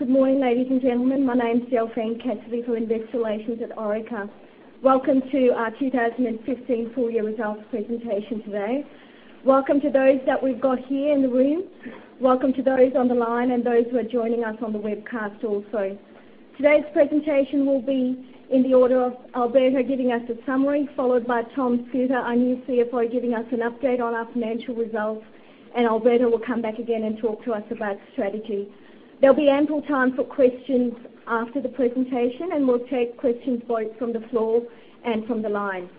Good morning, ladies and gentlemen. My name is Delphine Cassidy for Investor Relations at Orica. Welcome to our 2015 full year results presentation today. Welcome to those that we've got here in the room. Welcome to those on the line and those who are joining us on the webcast also. Today's presentation will be in the order of Alberto giving us a summary, followed by Tom Schutte, our new CFO, giving us an update on our financial results, and Alberto will come back again and talk to us about strategy. There'll be ample time for questions after the presentation, and we'll take questions both from the floor and from the line.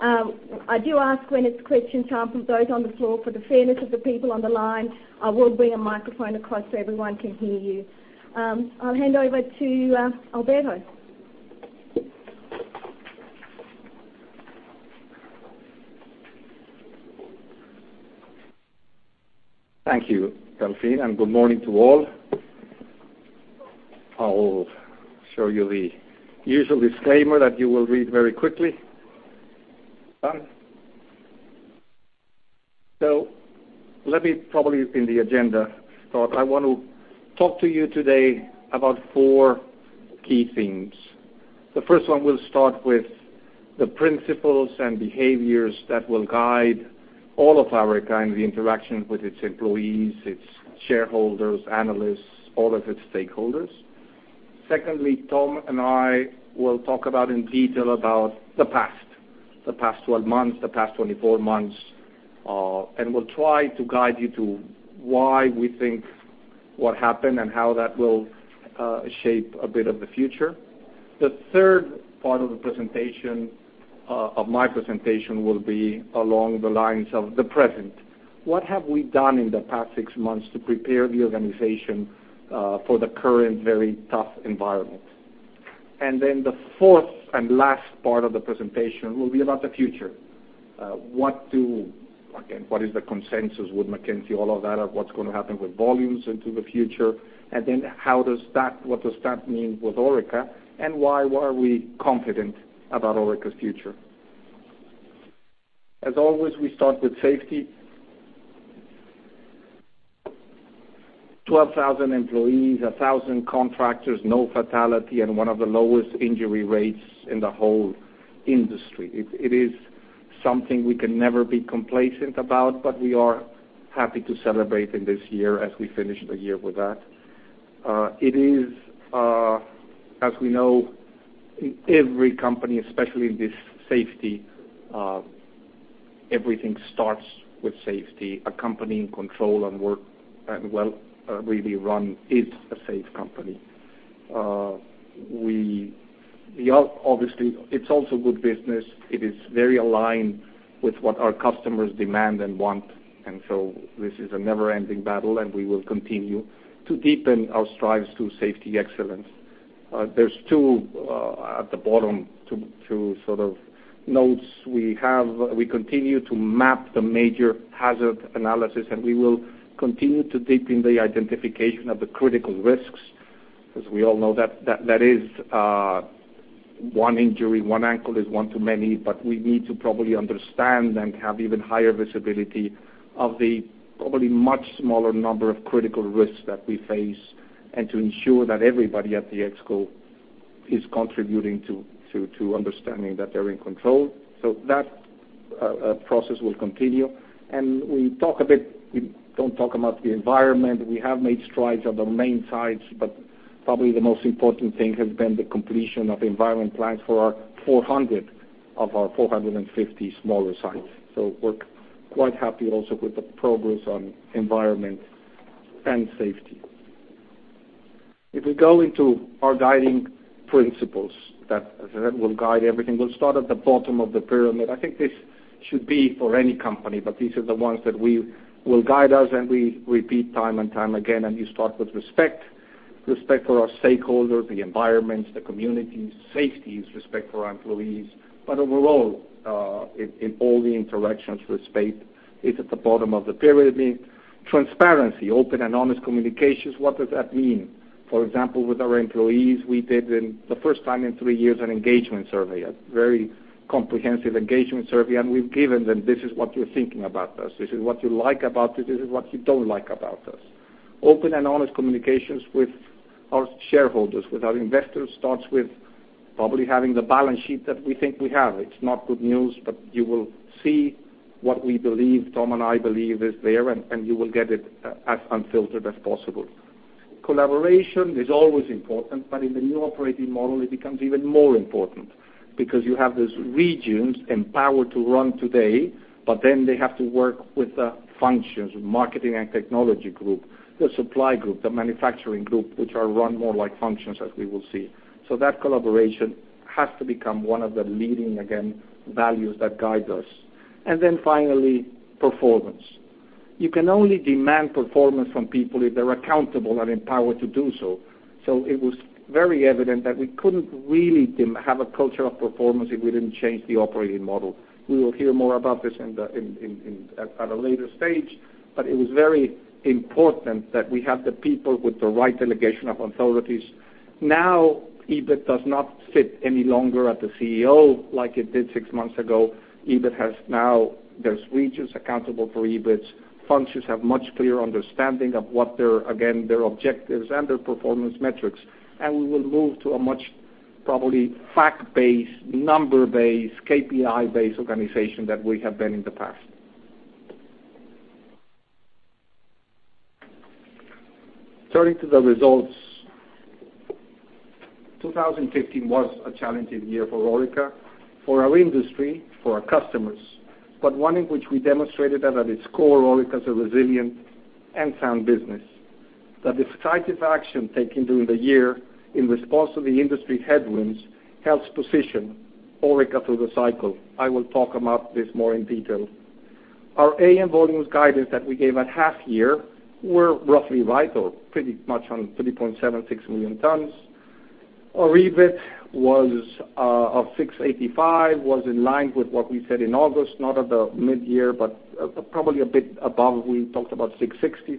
I do ask when it's question time from those on the floor for the fairness of the people on the line, I will bring a microphone across so everyone can hear you. I'll hand over to Alberto. Thank you, Delphine. Good morning to all. I'll show you the usual disclaimer that you will read very quickly. Done. Let me probably in the agenda start. I want to talk to you today about four key themes. The first one will start with the principles and behaviors that will guide all of Orica in the interactions with its employees, its shareholders, analysts, all of its stakeholders. Secondly, Tom and I will talk about in detail about the past. The past 12 months, the past 24 months, and we'll try to guide you to why we think what happened and how that will shape a bit of the future. The third part of my presentation will be along the lines of the present. What have we done in the past six months to prepare the organization for the current very tough environment? The fourth and last part of the presentation will be about the future. Again, what is the consensus with McKinsey, all of that, of what's going to happen with volumes into the future? What does that mean with Orica, and why are we confident about Orica's future? As always, we start with safety. 12,000 employees, 1,000 contractors, no fatality, and one of the lowest injury rates in the whole industry. It is something we can never be complacent about, but we are happy to celebrate in this year as we finish the year with that. It is as we know, every company, especially in this safety, everything starts with safety. A company in control and well really run is a safe company. Obviously, it's also good business. It is very aligned with what our customers demand and want. This is a never-ending battle, and we will continue to deepen our strides to safety excellence. There's two at the bottom, two sort of notes we have. We continue to map the major hazard analysis, and we will continue to deepen the identification of the critical risks, because we all know that that is one injury. One ankle is one too many, but we need to probably understand and have even higher visibility of the probably much smaller number of critical risks that we face, and to ensure that everybody at the ExCo is contributing to understanding that they're in control. That process will continue. We talk a bit, we don't talk about the environment. We have made strides on the main sites, but probably the most important thing has been the completion of environment plans for 400 of our 450 smaller sites. We're quite happy also with the progress on environment and safety. If we go into our guiding principles that will guide everything, we'll start at the bottom of the pyramid. I think this should be for any company, but these are the ones that will guide us, and we repeat time and time again, and you start with respect. Respect for our stakeholders, the environments, the communities, safety, respect for our employees. Overall, in all the interactions, respect is at the bottom of the pyramid. Transparency, open and honest communications. What does that mean? For example, with our employees, we did in the first time in three years, an engagement survey, a very comprehensive engagement survey. We've given them, "This is what you're thinking about us. This is what you like about it. This is what you don't like about us." Open and honest communications with our shareholders, with our investors, starts with probably having the balance sheet that we think we have. It's not good news, but you will see what we believe, Tom and I believe is there, and you will get it as unfiltered as possible. Collaboration is always important, but in the new operating model, it becomes even more important because you have these regions empowered to run today, but then they have to work with the functions, marketing and technology group, the supply group, the manufacturing group, which are run more like functions as we will see. That collaboration has to become one of the leading, again, values that guide us. Then finally, performance. You can only demand performance from people if they're accountable and empowered to do so. It was very evident that we couldn't really have a culture of performance if we didn't change the operating model. We will hear more about this at a later stage, but it was very important that we have the people with the right delegation of authorities. EBIT does not sit any longer at the CEO like it did six months ago. There's regions accountable for EBITs. Functions have much clearer understanding of what their objectives and their performance metrics are. We will move to a much, probably fact-based, number-based, KPI-based organization than we have been in the past. Turning to the results. 2015 was a challenging year for Orica, for our industry, for our customers, but one in which we demonstrated that at its core, Orica is a resilient and sound business. That decisive action taken during the year in response to the industry headwinds helps position Orica through the cycle. I will talk about this more in detail. Our AN volumes guidance that we gave at half year were roughly vital, pretty much on 3.76 million tonnes. Our EBIT of 685 was in line with what we said in August, not at the mid-year, but probably a bit above. We talked about 660,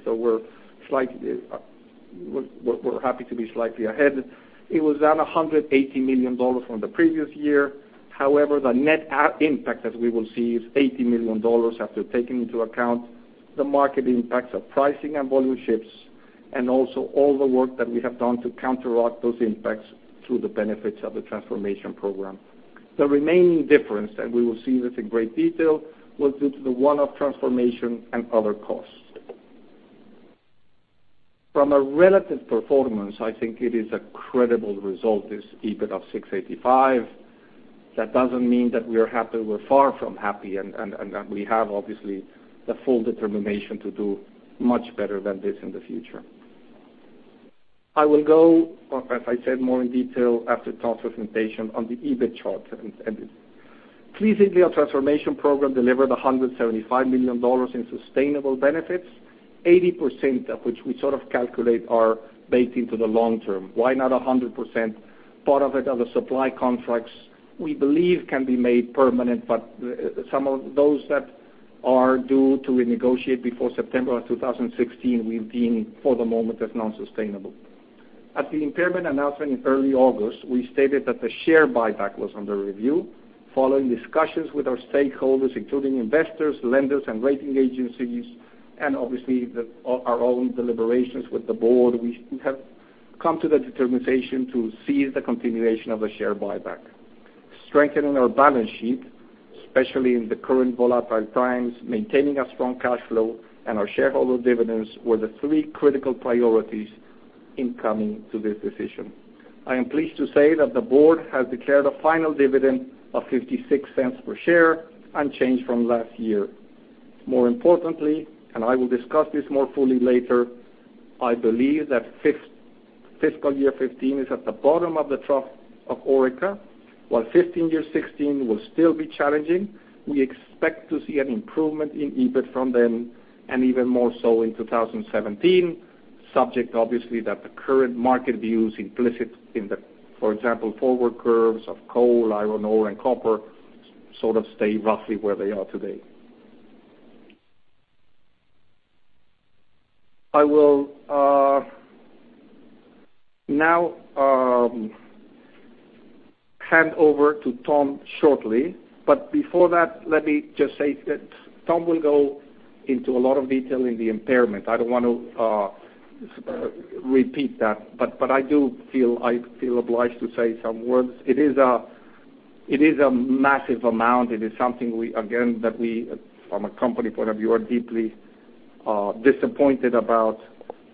we're happy to be slightly ahead. It was down 180 million dollars from the previous year. The net impact, as we will see, is 80 million dollars after taking into account the market impacts of pricing and volume shifts, and also all the work that we have done to counteract those impacts through the benefits of the transformation program. The remaining difference, and we will see this in great detail, was due to the one-off transformation and other costs. From a relative performance, I think it is a credible result, this EBIT of 685. That doesn't mean that we are happy. We're far from happy, and that we have obviously the full determination to do much better than this in the future. I will go, as I said, more in detail after Tom's presentation on the EBIT charts. Pleasingly, our transformation program delivered 175 million dollars in sustainable benefits, 80% of which we sort of calculate are baked into the long term. Why not 100%? Part of it are the supply contracts we believe can be made permanent, but some of those that are due to renegotiate before September of 2016, we've deemed for the moment as non-sustainable. At the impairment announcement in early August, we stated that the share buyback was under review. Following discussions with our stakeholders, including investors, lenders, and rating agencies, and obviously our own deliberations with the board, we have come to the determination to cease the continuation of the share buyback. Strengthening our balance sheet, especially in the current volatile times, maintaining a strong cash flow, and our shareholder dividends were the three critical priorities in coming to this decision. I am pleased to say that the board has declared a final dividend of 0.56 per share, unchanged from last year. More importantly, and I will discuss this more fully later, I believe that fiscal year 2015 is at the bottom of the trough of Orica. While 2015 year 2016 will still be challenging, we expect to see an improvement in EBIT from then and even more so in 2017, subject obviously that the current market views implicit in the, for example, forward curves of coal, iron ore, and copper sort of stay roughly where they are today. I will now hand over to Tom shortly, but before that, let me just say that Tom will go into a lot of detail in the impairment. I don't want to repeat that, but I do feel obliged to say some words. It is a massive amount. It is something, again, that we, from a company point of view, are deeply disappointed about.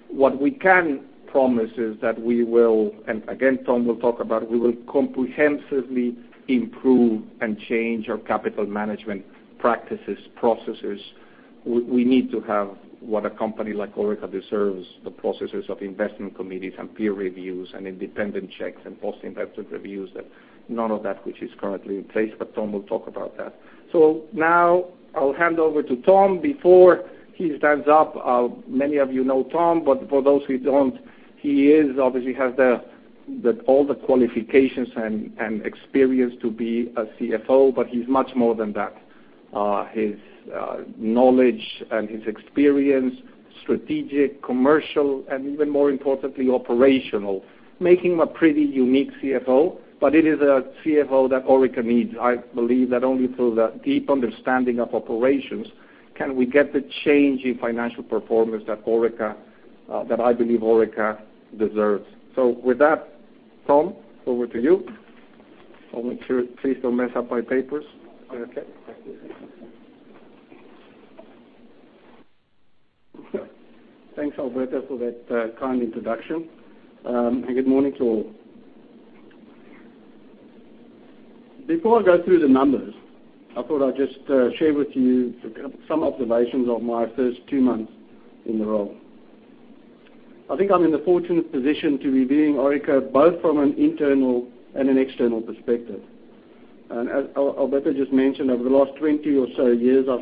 What we can promise is that we will, and again, Tom will talk about, we will comprehensively improve and change our capital management practices, processes. We need to have what a company like Orica deserves, the processes of investment committees and peer reviews and independent checks and post-impacted reviews, none of that which is currently in place, but Tom will talk about that. Now I'll hand over to Tom. Before he stands up, many of you know Tom, but for those who don't, he obviously has all the qualifications and experience to be a CFO, but he's much more than that. His knowledge and his experience, strategic, commercial, and even more importantly, operational, make him a pretty unique CFO, but it is a CFO that Orica needs. I believe that only through that deep understanding of operations can we get the change in financial performance that I believe Orica deserves. With that, Tom, over to you. Tom, please don't mess up my papers. Okay. Thank you. Thanks, Alberto, for that kind introduction. Good morning to all. Before I go through the numbers, I thought I'd just share with you some observations of my first two months in the role. I think I'm in the fortunate position to be viewing Orica both from an internal and an external perspective. As Alberto just mentioned, over the last 20 or so years, I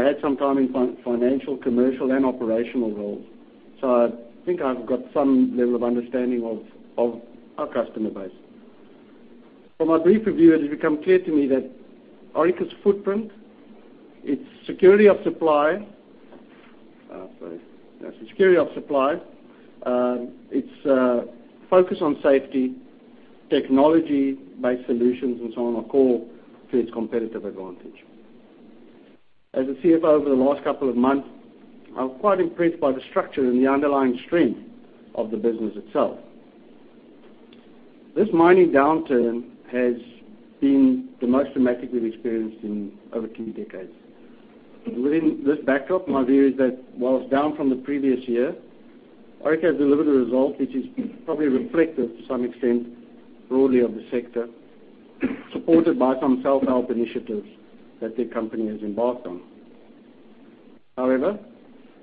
had some time in financial, commercial, and operational roles. I think I've got some level of understanding of our customer base. From my brief review, it has become clear to me that Orica's footprint, its security of supply, its focus on safety, technology-based solutions, and so on, are core to its competitive advantage. As a CFO over the last couple of months, I was quite impressed by the structure and the underlying strength of the business itself. This mining downturn has been the most dramatic we've experienced in over two decades. Within this backdrop, my view is that whilst down from the previous year, Orica has delivered a result which is probably reflective to some extent broadly of the sector, supported by some self-help initiatives that the company has embarked on. However,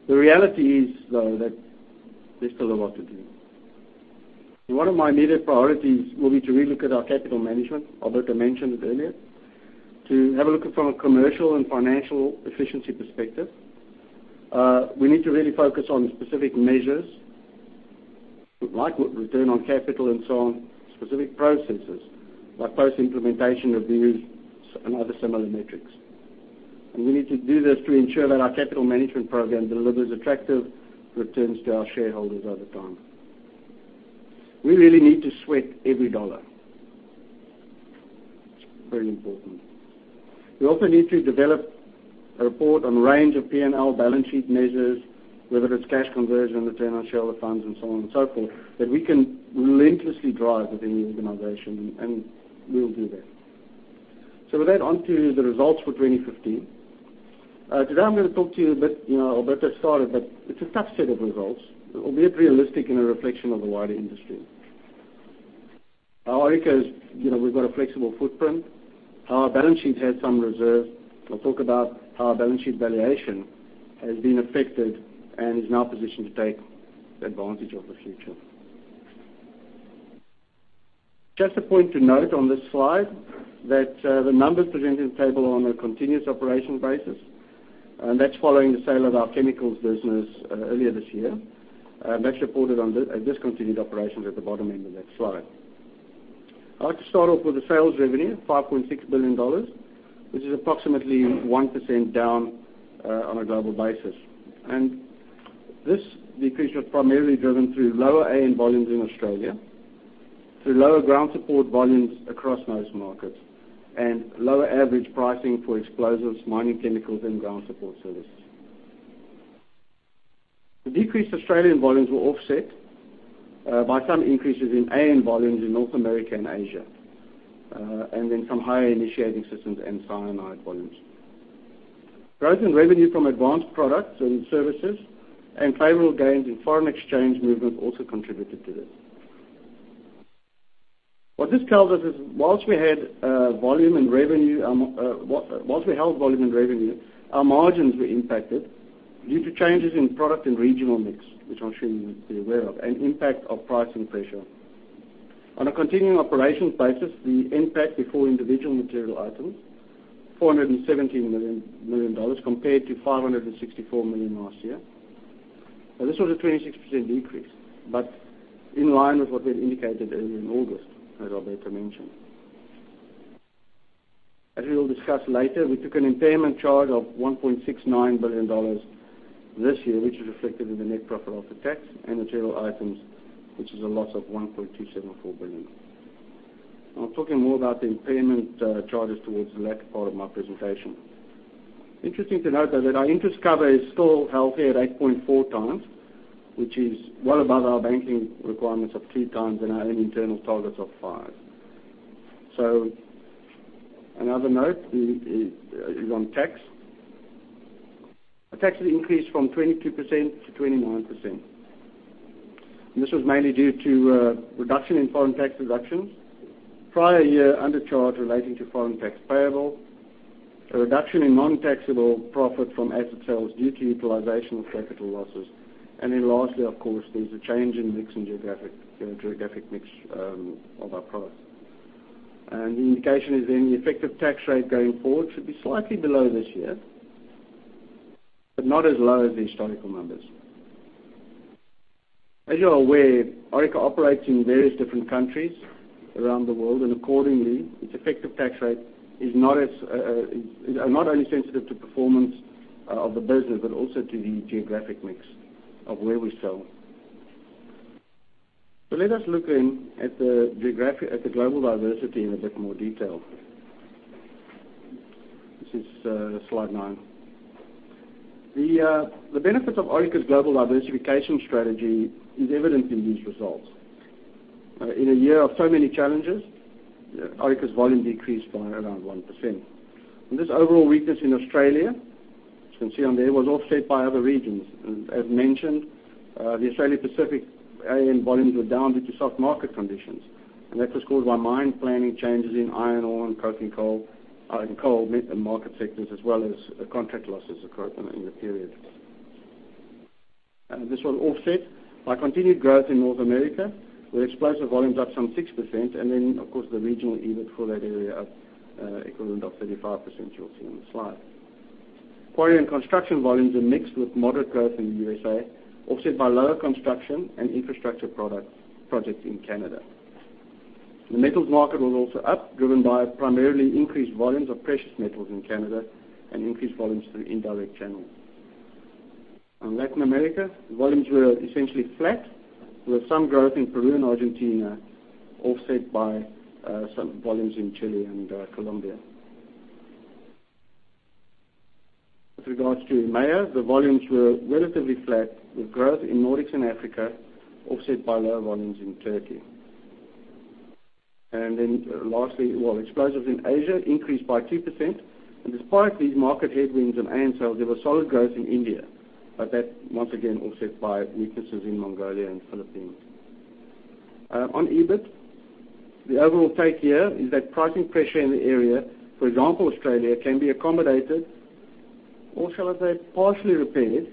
the reality is, though, that there's still a lot to do. One of my immediate priorities will be to re-look at our capital management, Alberto mentioned it earlier, to have a look at it from a commercial and financial efficiency perspective. We need to really focus on specific measures, like return on capital and so on, specific processes, like post-implementation reviews and other similar metrics. We need to do this to ensure that our capital management program delivers attractive returns to our shareholders over time. We really need to sweat every dollar. Very important. We also need to develop a report on range of P&L balance sheet measures, whether it's cash conversion, return on shareholder funds, and so on and so forth, that we can relentlessly drive within the organization, we'll do that. With that, onto the results for 2015. Today I'm going to talk to you a bit, Alberto started, it's a tough set of results, albeit realistic and a reflection of the wider industry. At Orica, we've got a flexible footprint. Our balance sheet has some reserves. I'll talk about how our balance sheet valuation has been affected and is now positioned to take advantage of the future. Just a point to note on this slide, that the numbers presented in the table are on a continuing operations basis, that's following the sale of our chemicals business earlier this year. That is reported on discontinued operations at the bottom end of that slide. I would like to start off with the sales revenue, 5.6 billion dollars, which is approximately 1% down on a global basis. This decrease was primarily driven through lower AN volumes in Australia, through lower ground support volumes across most markets, and lower average pricing for explosives, mining chemicals and ground support services. The decreased Australian volumes were offset by some increases in AN volumes in North America and Asia, some higher initiating systems and cyanide volumes. Growth in revenue from advanced products and services and favorable gains in foreign exchange movements also contributed to this. What this tells us is whilst we held volume and revenue, our margins were impacted due to changes in product and regional mix, which I am sure you would be aware of, and impact of pricing pressure. On a continuing operations basis, the NPAT before individual material items, 417 million dollars compared to 564 million last year. This was a 26% decrease, but in line with what we had indicated earlier in August, as Alberto mentioned. As we will discuss later, we took an impairment charge of 1.69 billion dollars this year, which is reflected in the net profit after tax and material items, which is a loss of 1.274 billion. I will talk more about the impairment charges towards the latter part of my presentation. Interesting to note, though, that our interest cover is still healthy at 8.4 times, which is well above our banking requirements of two times and our own internal targets of five. Another note is on tax. Our tax has increased from 22% to 29%. This was mainly due to a reduction in foreign tax deductions, prior year undercharge relating to foreign tax payable, a reduction in non-taxable profit from asset sales due to utilization of capital losses, lastly, of course, there is a change in geographic mix of our products. The indication is the effective tax rate going forward should be slightly below this year, but not as low as the historical numbers. As you are aware, Orica operates in various different countries around the world, and accordingly, its effective tax rate is not only sensitive to performance of the business, but also to the geographic mix of where we sell. Let us look at the global diversity in a bit more detail. This is slide nine. The benefits of Orica's global diversification strategy is evident in these results. In a year of so many challenges, Orica's volume decreased by around 1%. This overall weakness in Australia, as you can see on there, was offset by other regions. As mentioned, the Australia Pacific AN volumes were down due to soft market conditions. That was caused by mine planning changes in iron ore and coking coal and metal market sectors as well as contract losses occurred in the period. This was offset by continued growth in North America, where explosive volumes are up some 6%, the regional EBIT for that area up equivalent of 35% you will see on the slide. Quarry and construction volumes are mixed with moderate growth in the U.S.A., offset by lower construction and infrastructure projects in Canada. The metals market was also up, driven by primarily increased volumes of precious metals in Canada and increased volumes through indirect channels. In Latin America, volumes were essentially flat, with some growth in Peru and Argentina offset by some volumes in Chile and Colombia. With regards to EMEIA, the volumes were relatively flat, with growth in Nordics and Africa offset by lower volumes in Turkey. Lastly, explosives in Asia increased by 2%. Despite these market headwinds on iron sales, there was solid growth in India. That, once again, offset by weaknesses in Mongolia and the Philippines. On EBIT, the overall take here is that pricing pressure in the area, for example, Australia, can be accommodated, or shall I say partially repaired,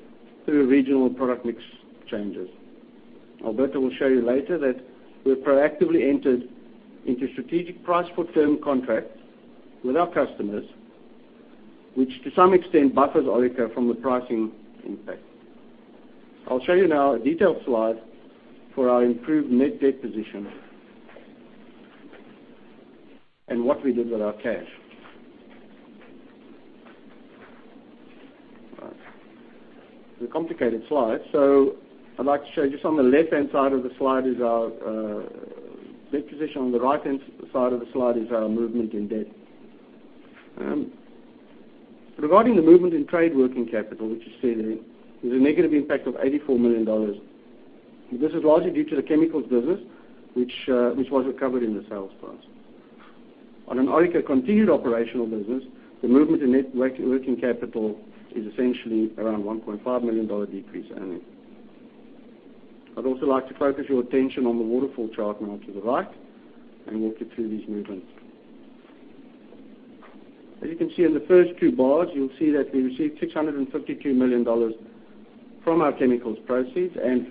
through regional product mix changes. Alberto will show you later that we've proactively entered into strategic price for term contracts with our customers, which to some extent buffers Orica from the pricing impact. I'll show you now a detailed slide for our improved net debt position and what we did with our cash. It's a complicated slide, so I'd like to show you some. On the left-hand side of the slide is our net position. On the right-hand side of the slide is our movement in debt. Regarding the movement in trade working capital, which you see there's a negative impact of 84 million dollars. This is largely due to the chemicals business, which was recovered in the sales price. On an Orica continued operational business, the movement in net working capital is essentially around 1.5 million dollar decrease annually. I'd also like to focus your attention on the waterfall chart now to the right and walk you through these movements. As you can see in the first two bars, you'll see that we received 652 million dollars from our chemicals proceeds and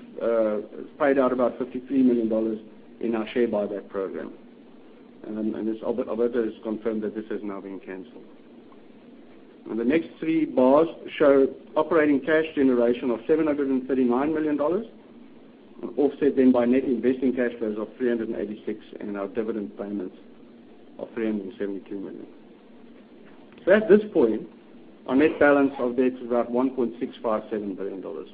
paid out about 53 million dollars in our share buyback program. Alberto has confirmed that this has now been canceled. In the next three bars show operating cash generation of 739 million dollars, offset then by net investing cash flows of 386 million and our dividend payments of 372 million. At this point, our net balance of debt is about 1.657 billion dollars.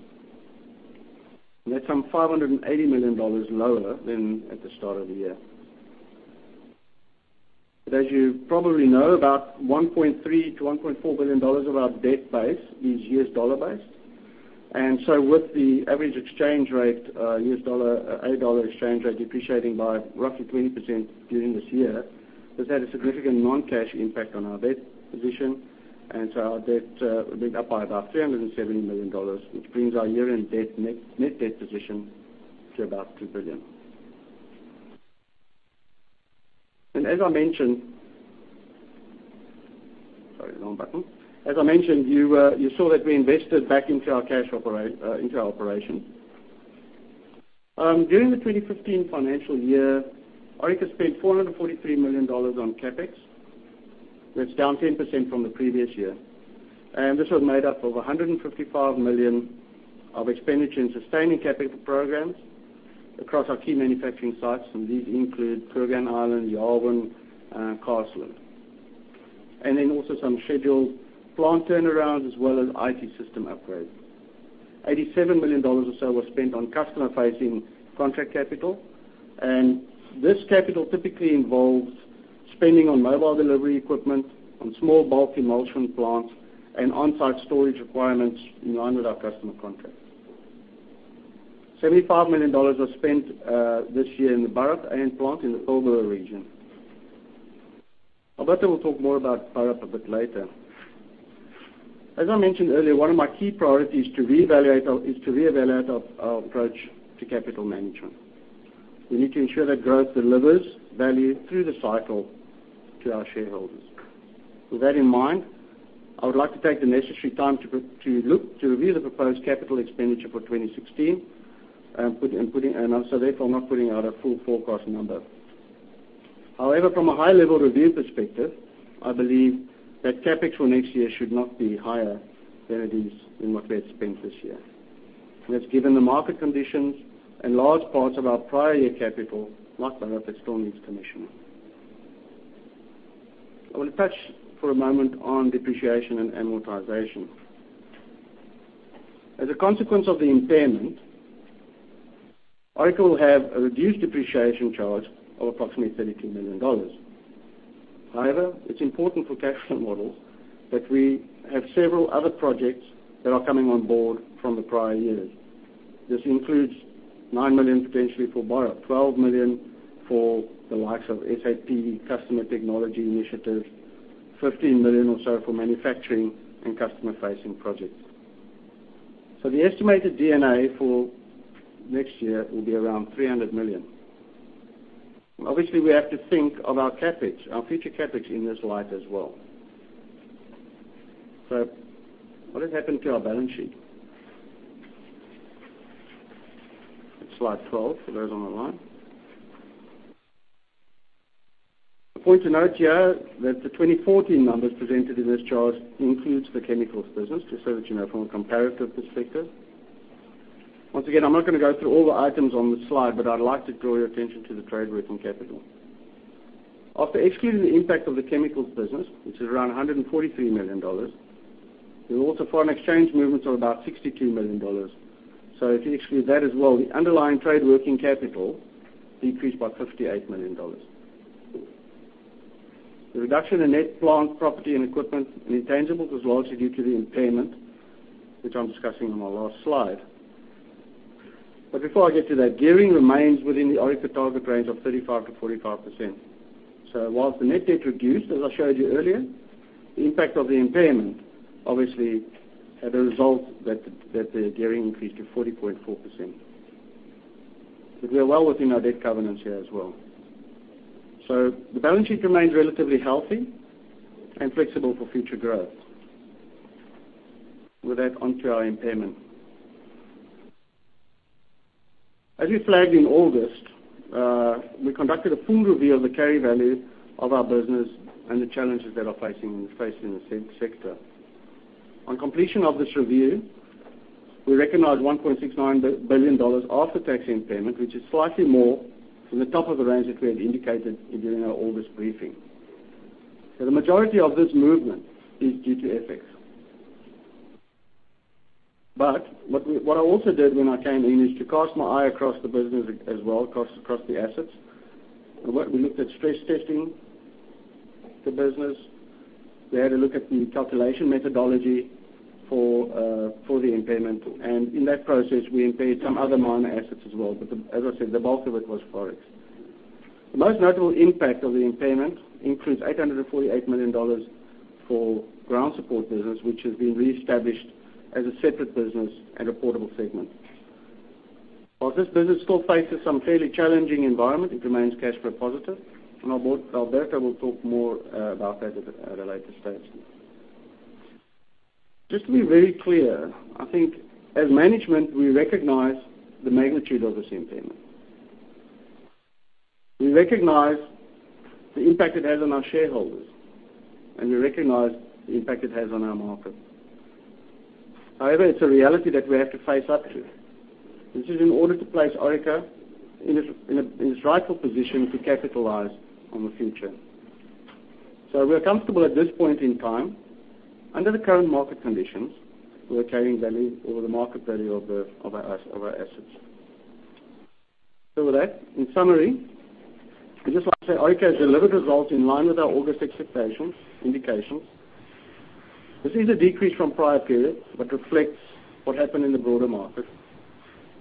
That's some 580 million dollars lower than at the start of the year. As you probably know, about $1.3 billion-$1.4 billion of our debt base is US dollar based. With the average exchange rate, US dollar, AUD dollar exchange rate depreciating by roughly 20% during this year, that's had a significant non-cash impact on our debt position. Our debt went up by about 370 million dollars, which brings our year-end net debt position to about 2 billion. As I mentioned, you saw that we invested back into our operation. During the 2015 financial year, Orica spent 443 million dollars on CapEx. That's down 10% from the previous year. This was made up of 155 million of expenditure in sustaining capital programs across our key manufacturing sites, and these include Kooragang Island, Yarwun, and Carseland. Also some scheduled plant turnaround as well as IT system upgrades. 87 million dollars or so was spent on customer-facing contract capital. This capital typically involves spending on mobile delivery equipment, on small bulk emulsion plants, and on-site storage requirements in line with our customer contracts. 75 million dollars was spent this year in the Burrup iron plant in the Pilbara region. Alberto will talk more about Burrup a bit later. As I mentioned earlier, one of my key priorities is to reevaluate our approach to capital management. We need to ensure that growth delivers value through the cycle to our shareholders. With that in mind, I would like to take the necessary time to review the proposed capital expenditure for 2016. Therefore, I am not putting out a full forecast number. However, from a high-level review perspective, I believe that CapEx for next year should not be higher than it is in what we had spent this year. That is given the market conditions and large parts of our prior year capital, like Burrup, that still needs commissioning. I want to touch for a moment on depreciation and amortization. As a consequence of the impairment, Orica will have a reduced depreciation charge of approximately 32 million dollars. However, it is important for cash flow models that we have several other projects that are coming on board from the prior years. This includes 9 million potentially for Burrup, 12 million for the likes of SAP customer technology initiatives, 15 million or so for manufacturing and customer-facing projects. The estimated D&A for next year will be around 300 million. Obviously, we have to think of our future CapEx in this light as well. What has happened to our balance sheet? Slide 12 for those on the line. A point to note here that the 2014 numbers presented in this chart includes the chemicals business, just so that you know from a comparative perspective. Once again, I am not going to go through all the items on the slide, but I would like to draw your attention to the trade working capital. After excluding the impact of the chemicals business, which is around 143 million dollars, there was also foreign exchange movements of about 62 million dollars. If you exclude that as well, the underlying trade working capital decreased by 58 million dollars. The reduction in net plant property and equipment and intangibles was largely due to the impairment, which I am discussing in my last slide. Before I get to that, gearing remains within the Orica target range of 35%-45%. Whilst the net debt reduced, as I showed you earlier, the impact of the impairment obviously had a result that the gearing increased to 40.4%. We are well within our debt covenants here as well. The balance sheet remains relatively healthy and flexible for future growth. With that, onto our impairment. As we flagged in August, we conducted a full review of the carry value of our business and the challenges that are faced in the said sector. On completion of this review, we recognized 1.69 billion dollars after-tax impairment, which is slightly more from the top of the range that we had indicated during our August briefing. The majority of this movement is due to FX. What I also did when I came in is to cast my eye across the business as well, across the assets. We looked at stress testing the business. We had a look at the calculation methodology for the impairment. In that process, we impaired some other minor assets as well. As I said, the bulk of it was Forex. The most notable impact of the impairment includes 848 million dollars for Ground Support business, which has been reestablished as a separate business and a reportable segment. While this business still faces some fairly challenging environment, it remains cash flow positive. Alberto will talk more about that at a later stage. To be very clear, I think as management, we recognize the magnitude of this impairment. We recognize the impact it has on our shareholders. We recognize the impact it has on our market. It's a reality that we have to face up to. This is in order to place Orica in its rightful position to capitalize on the future. We are comfortable at this point in time, under the current market conditions, with the carrying value or the market value of our assets. With that, in summary, I'd just like to say Orica has delivered results in line with our August expectations indications. This is a decrease from prior periods but reflects what happened in the broader market.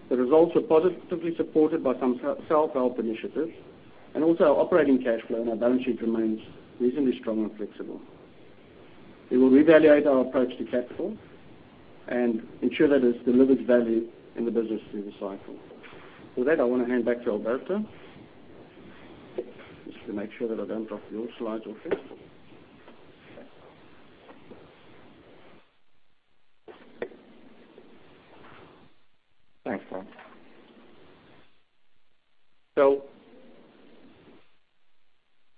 The results are positively supported by some self-help initiatives. Our operating cash flow and our balance sheet remains reasonably strong and flexible. We will reevaluate our approach to capital and ensure that it delivers value in the business through the cycle. With that, I want to hand back to Alberto. To make sure that I don't drop your slides off here. Thanks, Tom.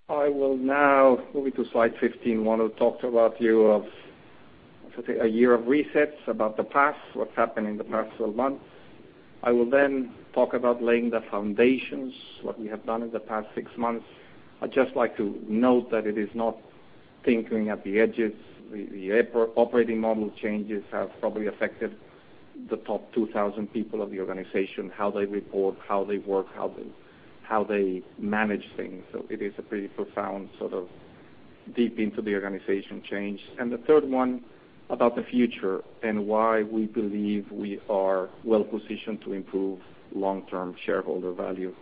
I will now, moving to slide 15, want to talk to a year of resets, about the past, what's happened in the past 12 months. I will talk about laying the foundations, what we have done in the past six months. I'd like to note that it is not tinkering at the edges. The operating model changes have probably affected the top 2,000 people of the organization, how they report, how they work, how they manage things. It is a pretty profound sort of deep into the organization change. The third one about the future and why we believe we are well positioned to improve long-term shareholder value.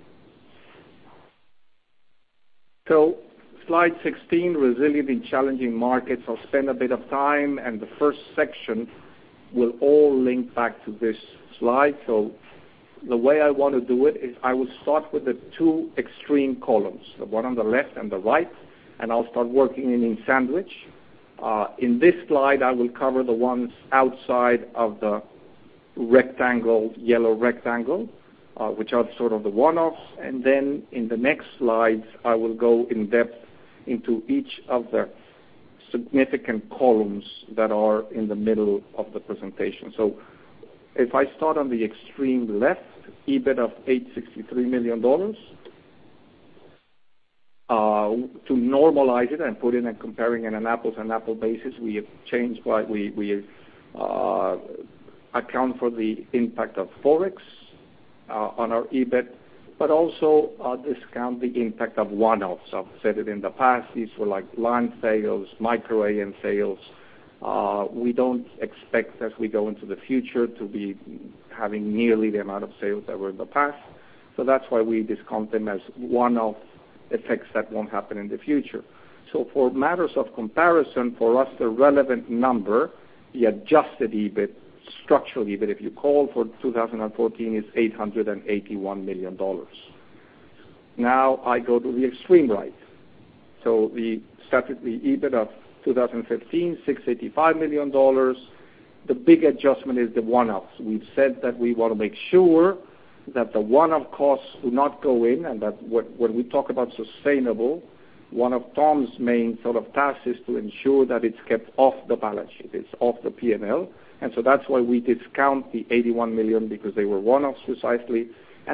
Slide 16, resilient in challenging markets. I'll spend a bit of time. The first section will all link back to this slide. The way I want to do it is I will start with the two extreme columns, the one on the left and the right. I'll start working in a sandwich. In this slide, I will cover the ones outside of the yellow rectangle, which are sort of the one-offs. In the next slides, I will go in depth into each of the significant columns that are in the middle of the presentation. If I start on the extreme left, EBIT of 863 million dollars. To normalize it and put in an apples and apple basis, we account for the impact of Forex on our EBIT, but also discount the impact of one-offs. I've said it in the past, these were like line sales, macro-driven sales. We don't expect as we go into the future to be having nearly the amount of sales that were in the past. That's why we discount them as one-off effects that won't happen in the future. For matters of comparison, for us, the relevant number, the adjusted EBIT, structural EBIT, if you call for 2014, is 881 million dollars. Now I go to the extreme right. We started the EBIT of 2015, AUD 685 million. The big adjustment is the one-offs. We've said that we want to make sure that the one-off costs do not go in, and that when we talk about sustainable, one of Tom's main sort of tasks is to ensure that it's kept off the balance sheet. It's off the P&L. That's why we discount the 81 million, because they were one-offs precisely.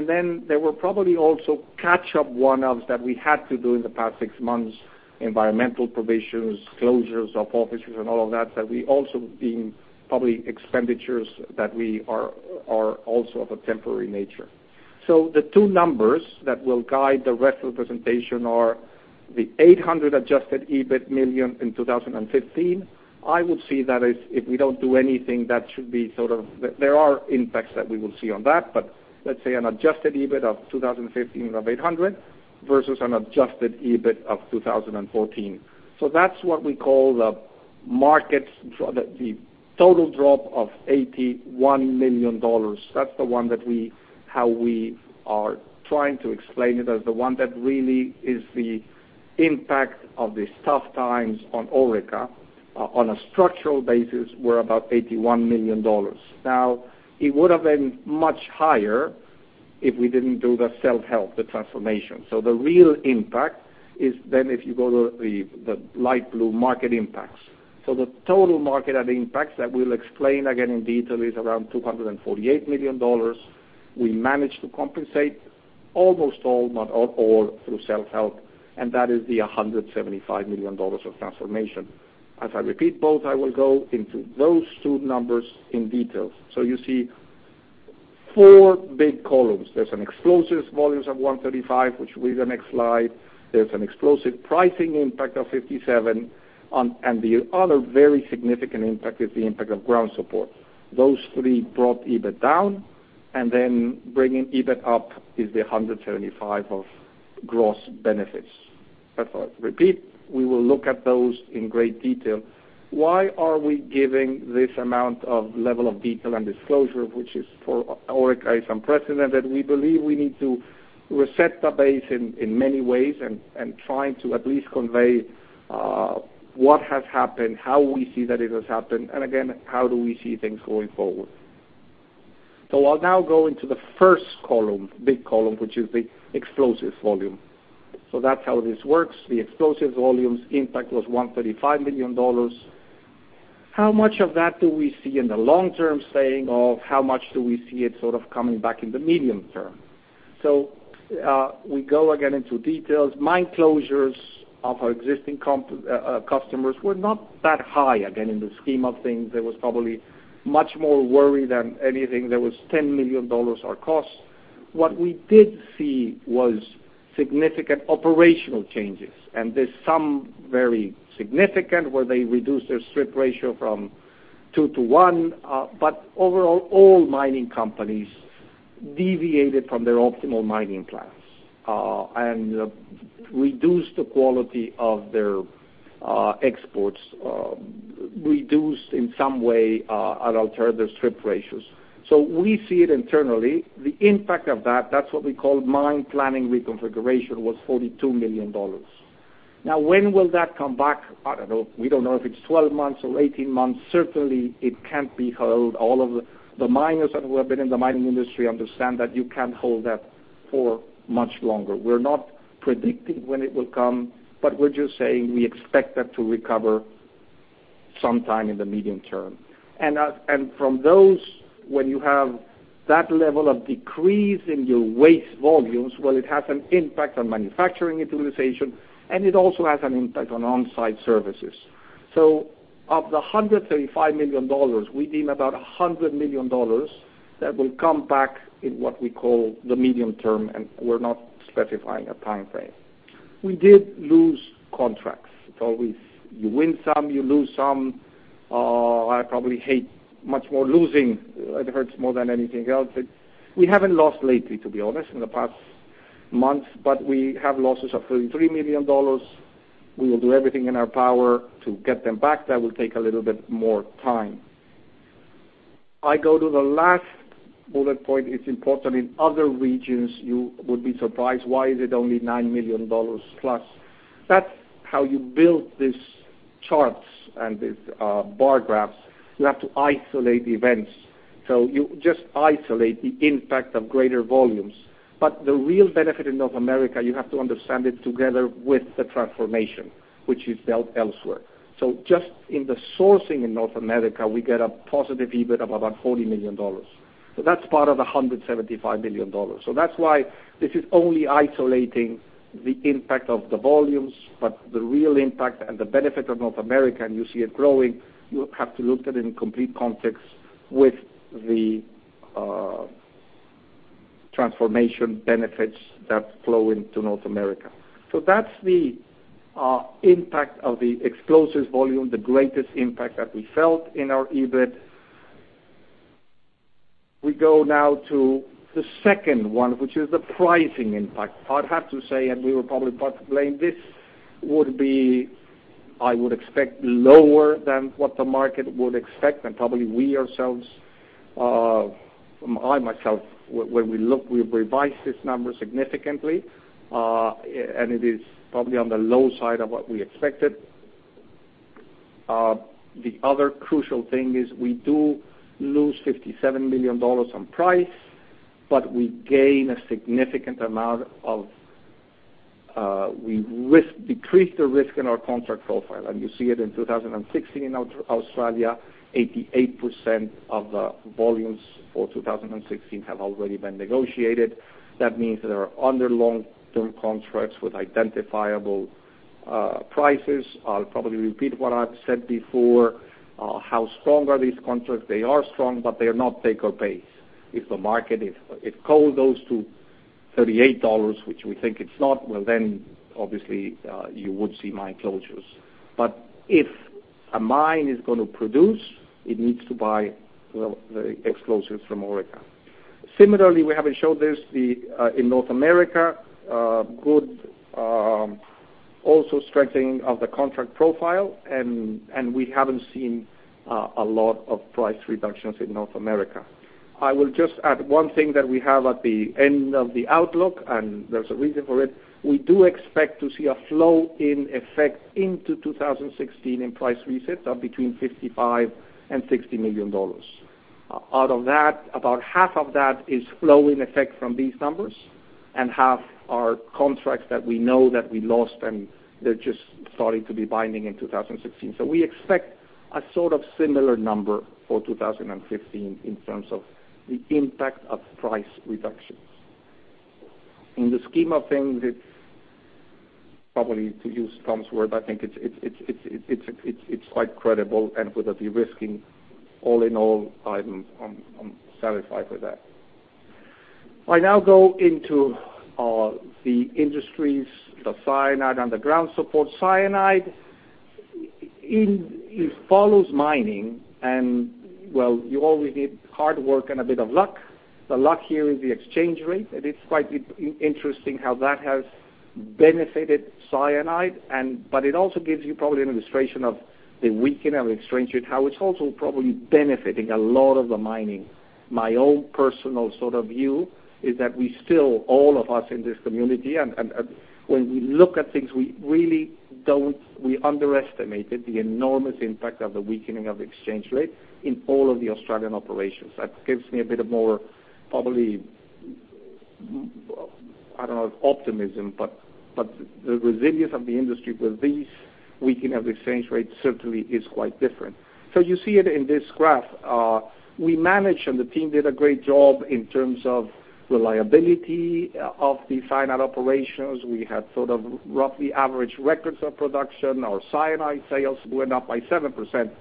There were probably also catch-up one-offs that we had to do in the past six months, environmental provisions, closures of offices and all of that we also deem probably expenditures that we are also of a temporary nature. The two numbers that will guide the rest of the presentation are the 800 million adjusted EBIT in 2015. I would see that if we don't do anything, that should be sort of There are impacts that we will see on that, but let's say an adjusted EBIT of 2015 of 800 million versus an adjusted EBIT of 2014. That's what we call the market, the total drop of 81 million dollars. That's the one that we, how we are trying to explain it as the one that really is the impact of the tough times on Orica. On a structural basis, we're about 81 million dollars. It would have been much higher if we didn't do the self-help, the transformation. The real impact is then if you go to the light blue market impacts. The total market add impacts that we'll explain again in detail is around 248 million dollars. We managed to compensate almost all, not all, through self-help, and that is the 175 million dollars of transformation. As I repeat both, I will go into those two numbers in detail. You see four big columns. There's an explosives volumes of 135 million, which will be the next slide. There's an explosive pricing impact of 57 million. And the other very significant impact is the impact of ground support. Those three brought EBIT down, and then bringing EBIT up is the 175 million of gross benefits. As I repeat, we will look at those in great detail. Why are we giving this amount of level of detail and disclosure, which is for Orica, is unprecedented? We believe we need to reset the base in many ways and trying to at least convey what has happened, how we see that it has happened, and again, how do we see things going forward. I'll now go into the first column, big column, which is the explosives volume. That's how this works. The explosives volumes impact was 135 million dollars. How much of that do we see in the long term saying of how much do we see it sort of coming back in the medium term? We go again into details. Mine closures of our existing customers were not that high. Again, in the scheme of things, there was probably much more worry than anything. There was 10 million dollars are costs. What we did see was significant operational changes. There's some very significant, where they reduced their strip ratio from 2 to 1. Overall, all mining companies deviated from their optimal mining plans, and reduced the quality of their exports, reduced in some way, or altered their strip ratios. We see it internally. The impact of that's what we call mine planning reconfiguration, was 42 million dollars. When will that come back? I don't know. We don't know if it's 12 months or 18 months. Certainly, it can't be held. All of the miners who have been in the mining industry understand that you can't hold that for much longer. We're not predicting when it will come, but we're just saying we expect that to recover sometime in the medium term. From those, when you have that level of decrease in your waste volumes, it has an impact on manufacturing utilization, and it also has an impact on onsite services. Of the 135 million dollars, we deem about 100 million dollars that will come back in what we call the medium term, and we're not specifying a time frame. We did lose contracts. It's always you win some, you lose some. I probably hate much more losing. It hurts more than anything else. We haven't lost lately, to be honest, in the past month, but we have losses of 33 million dollars. We will do everything in our power to get them back. That will take a little bit more time. I go to the last bullet point. It's important. In other regions, you would be surprised why is it only 9 million dollars plus. That's how you build these charts and these bar graphs. You have to isolate events. You just isolate the impact of greater volumes. The real benefit in North America, you have to understand it together with the transformation, which is dealt elsewhere. Just in the sourcing in North America, we get a positive EBIT of about 40 million dollars. That's part of the 175 million dollars. That's why this is only isolating the impact of the volumes, but the real impact and the benefit of North America, and you see it growing, you have to look at it in complete context with the transformation benefits that flow into North America. That's the impact of the explosives volume, the greatest impact that we felt in our EBIT. We go now to the second one, which is the pricing impact. I'd have to say, we were probably part to blame, this would be I would expect lower than what the market would expect, probably we ourselves, I myself, when we revised this number significantly, and it is probably on the low side of what we expected. The other crucial thing is we do lose 57 million dollars on price. We gain a significant amount. We decrease the risk in our contract profile. You see it in 2016 in Australia, 88% of the volumes for 2016 have already been negotiated. That means they are under long-term contracts with identifiable prices. I'll probably repeat what I've said before. How strong are these contracts? They are strong. They are not take or pays. If the market, it pulls those to 38 dollars, which we think it's not, obviously, you would see mine closures. If a mine is going to produce, it needs to buy the explosives from Orica. Similarly, we haven't showed this, in North America, good also strengthening of the contract profile, and we haven't seen a lot of price reductions in North America. I will just add one thing that we have at the end of the outlook, and there's a reason for it. We do expect to see a flow-in effect into 2016 in price resets of between 55 million and 60 million dollars. Out of that, about half of that is flow-in effect from these numbers, and half are contracts that we know that we lost, and they're just starting to be binding in 2016. We expect a sort of similar number for 2015 in terms of the impact of price reductions. In the scheme of things, it's probably, to use Tom's word, I think it's quite credible and with a de-risking. All in all, I'm satisfied with that. I now go into the industries, the cyanide, and the ground support. Cyanide, it follows mining and, well, you always need hard work and a bit of luck. The luck here is the exchange rate, and it's quite interesting how that has benefited cyanide. It also gives you probably an illustration of the weakening of exchange rate, how it's also probably benefiting a lot of the mining. My own personal sort of view is that we still, all of us in this community, and when we look at things, we underestimated the enormous impact of the weakening of exchange rate in all of the Australian operations. That gives me a bit of more probably, I don't know if optimism, but the resilience of the industry with this weakening of exchange rate certainly is quite different. You see it in this graph. We managed, and the team did a great job in terms of reliability of the cyanide operations. We had sort of roughly average records of production. Our cyanide sales went up by 7%,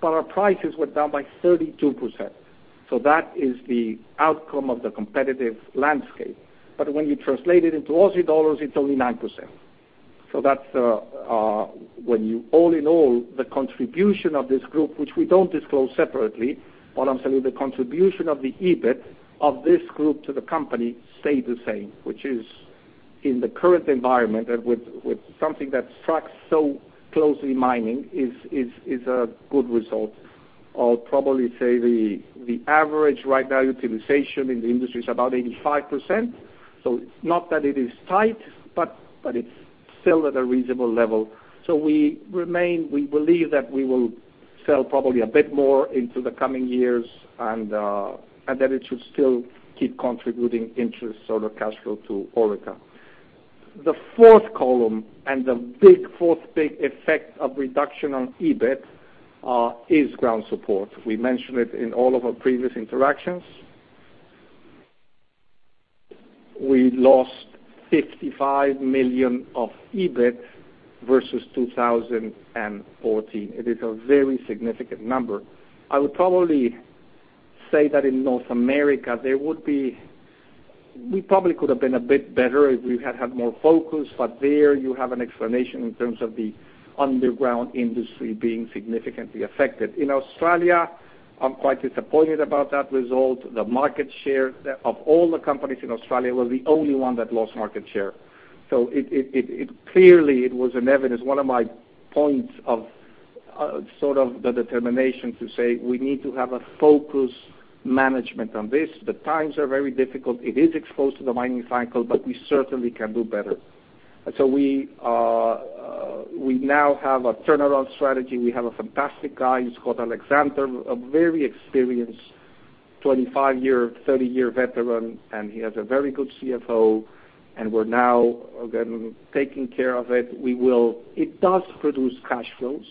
but our prices went down by 32%. That is the outcome of the competitive landscape. When you translate it into AUD, it's only 9%. That's when you, all in all, the contribution of this group, which we don't disclose separately, what I'm saying is the contribution of the EBIT of this group to the company stayed the same, which is in the current environment and with something that tracks so closely mining is a good result. I'll probably say the average right now utilization in the industry is about 85%. It's not that it is tight, but it's still at a reasonable level. We believe that we will sell probably a bit more into the coming years and that it should still keep contributing into sort of cash flow to Orica. The fourth column and the big fourth big effect of reduction on EBIT is ground support. We mentioned it in all of our previous interactions. We lost 55 million of EBIT versus 2014. It is a very significant number. I would probably say that in North America, we probably could have been a bit better if we had had more focus, but there you have an explanation in terms of the underground industry being significantly affected. In Australia, I'm quite disappointed about that result. The market share of all the companies in Australia, we're the only one that lost market share. Clearly it was an evidence. One of my points of sort of the determination to say we need to have a focus management on this. The times are very difficult. It is exposed to the mining cycle, but we certainly can do better. We now have a turnaround strategy. We have a fantastic guy. He's called Alexander, a very experienced 25-year, 30-year veteran, he has a very good CFO, we're now taking care of it. It does produce cash flows.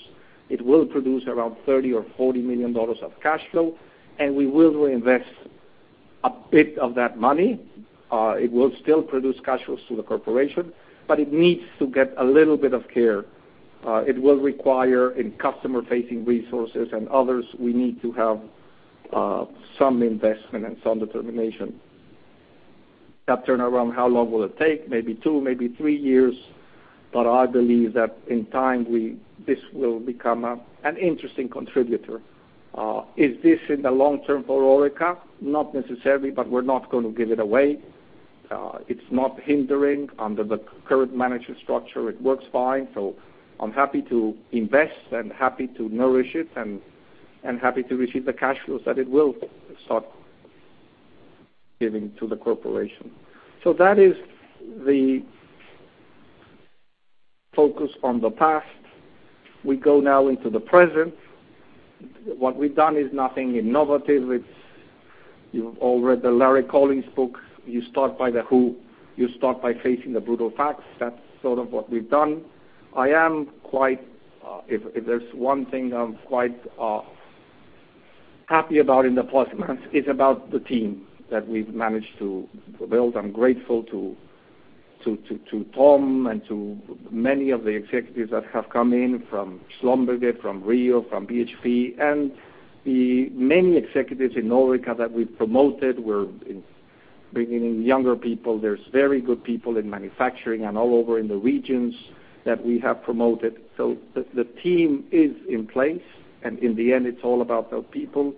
It will produce around 30 million or 40 million dollars of cash flow, we will reinvest a bit of that money. It will still produce cash flows to the corporation, it needs to get a little bit of care. It will require in customer-facing resources and others, we need to have some investment and some determination. That turnaround, how long will it take? Maybe two, maybe three years, I believe that in time, this will become an interesting contributor. Is this in the long term for Orica? Not necessarily, we're not going to give it away. It's not hindering under the current management structure. It works fine. I'm happy to invest and happy to nourish it, and happy to receive the cash flows that it will start giving to the corporation. That is the focus on the past. We go now into the present. What we've done is nothing innovative. You've all read the Jim Collins book, you start by the who, you start by facing the brutal facts. That's sort of what we've done. If there's one thing I'm quite happy about in the past months, it's about the team that we've managed to build. I'm grateful to Tom and to many of the executives that have come in from Schlumberger, from Rio, from BHP, and the many executives in Orica that we've promoted. We're bringing in younger people. There's very good people in manufacturing and all over in the regions that we have promoted. The team is in place, and in the end, it's all about the people.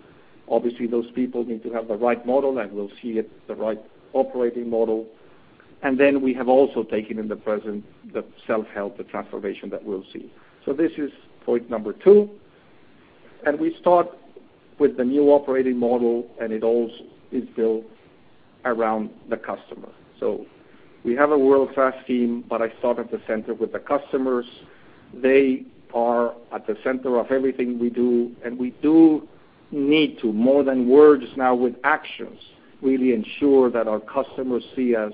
Obviously, those people need to have the right model, we'll see the right operating model. We have also taken in the present, the self-help, the transformation that we'll see. This is point 2, we start with the new operating model, and it all is built around the customer. We have a world-class team, but I start at the center with the customers. They are at the center of everything we do, we do need to, more than words now with actions, really ensure that our customers see us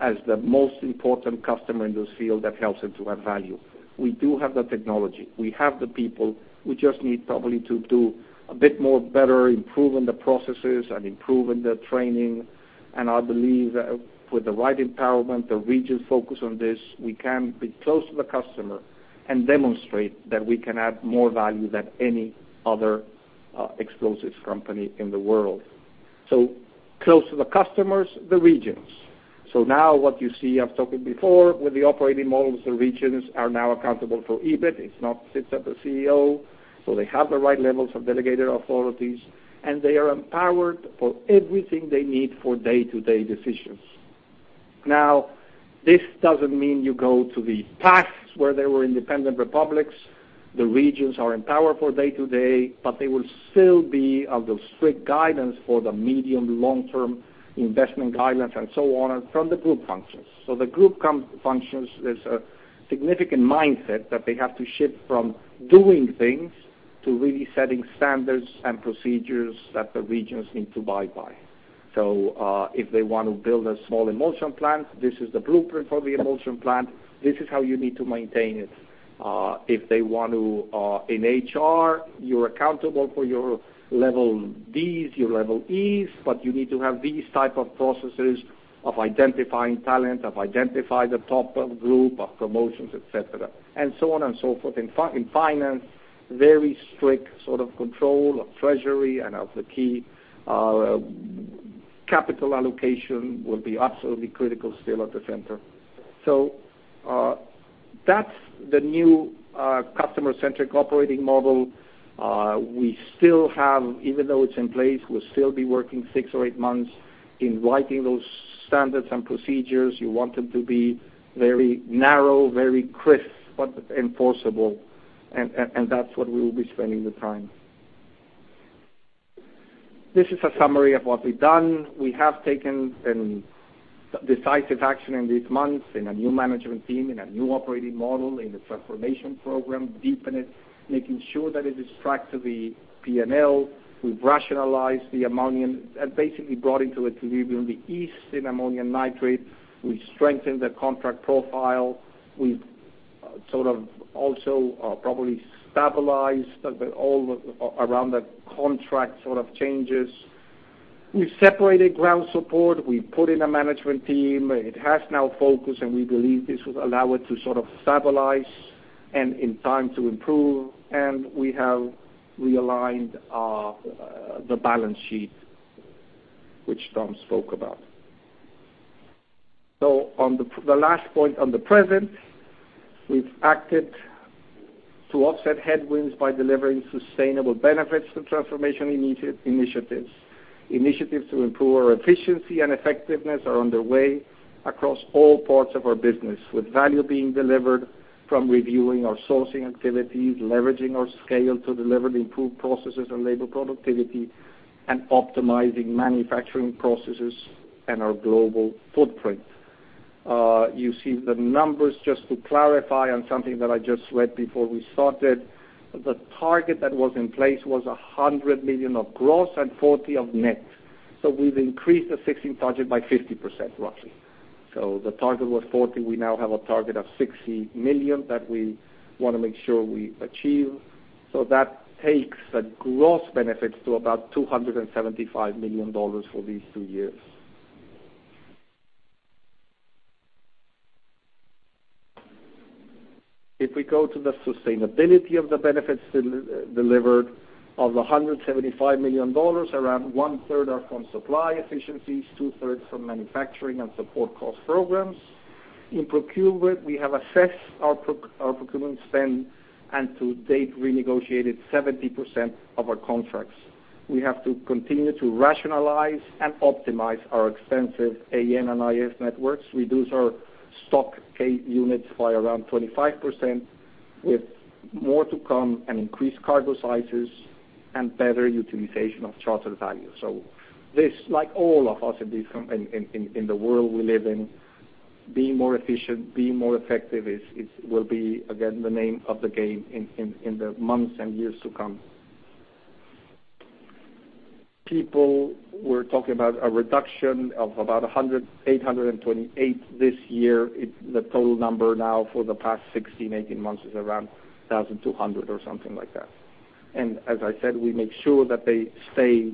as the most important customer in this field that helps them to add value. We do have the technology. We have the people. We just need probably to do a bit more better improving the processes and improving the training. I believe that with the right empowerment, the regions focus on this, we can be close to the customer and demonstrate that we can add more value than any other explosives company in the world. Close to the customers, the regions. Now what you see, I've talked before, with the operating models, the regions are now accountable for EBIT. It's not sits at the CEO. They have the right levels of delegated authorities, and they are empowered for everything they need for day-to-day decisions. This doesn't mean you go to the past where they were independent republics. The regions are empowered for day-to-day, but they will still be under strict guidance for the medium, long-term investment guidelines and so on from the group functions. The group functions, there's a significant mindset that they have to shift from doing things to really setting standards and procedures that the regions need to abide by. If they want to build a small emulsion plant, this is the blueprint for the emulsion plant. This is how you need to maintain it. If they want to, in HR, you're accountable for your level Ds, your level Es, you need to have these type of processes of identifying talent, of identify the top of group, of promotions, et cetera, and so on and so forth. In finance, very strict sort of control of treasury and of the key capital allocation will be absolutely critical still at the center. That's the new customer-centric operating model. Even though it's in place, we'll still be working six or eight months in writing those standards and procedures. You want them to be very narrow, very crisp, enforceable, and that's what we will be spending the time. This is a summary of what we've done. We have taken decisive action in these months in a new management team, in a new operating model, in the transformation program, deepen it, making sure that it is tracked to the P&L. We've rationalized the ammonium and basically brought into equilibrium the East in ammonium nitrate. We strengthened the contract profile. We sort of also probably stabilized all around the contract sort of changes. We separated ground support. We put in a management team. It has now focus, and we believe this would allow it to sort of stabilize and in time to improve. We have realigned the balance sheet, which Tom spoke about. On the last point, on the present, we've acted to offset headwinds by delivering sustainable benefits through transformation initiatives. Initiatives to improve our efficiency and effectiveness are underway across all parts of our business, with value being delivered from reviewing our sourcing activities, leveraging our scale to deliver the improved processes and labor productivity, and optimizing manufacturing processes and our global footprint. You see the numbers just to clarify on something that I just read before we started. The target that was in place was 100 million of gross and 40 million of net. We've increased the 2016 target by 50% roughly. The target was 40 million. We now have a target of 60 million that we want to make sure we achieve. That takes the gross benefits to about 275 million dollars for these two years. If we go to the sustainability of the benefits delivered of the 175 million dollars, around one-third are from supply efficiencies, two-thirds from manufacturing and support cost programs. In procurement, we have assessed our procurement spend, and to date, renegotiated 70% of our contracts. We have to continue to rationalize and optimize our extensive AN and IS networks, reduce our stock keep units by around 25%, with more to come, and increase cargo sizes and better utilization of charter value. This, like all of us in the world we live in, being more efficient, being more effective will be, again, the name of the game in the months and years to come. People were talking about a reduction of about 828 this year. The total number now for the past 16, 18 months is around 1,200, or something like that. As I said, we make sure that they stay.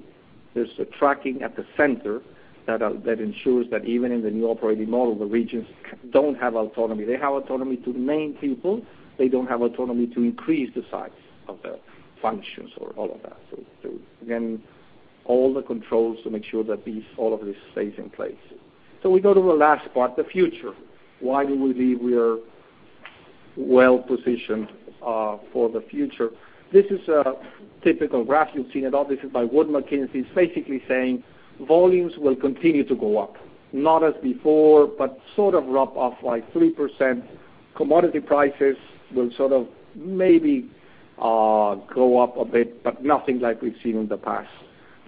There's a tracking at the center that ensures that even in the new operating model, the regions don't have autonomy. They have autonomy to main people. They don't have autonomy to increase the size of their functions or all of that. Again, all the controls to make sure that all of this stays in place. We go to the last part, the future. Why do we believe we are well-positioned for the future? This is a typical graph. You've seen it. Obviously, by Wood Mackenzie. It's basically saying volumes will continue to go up, not as before, but sort of rough, off by 3%. Commodity prices will sort of maybe go up a bit, but nothing like we've seen in the past.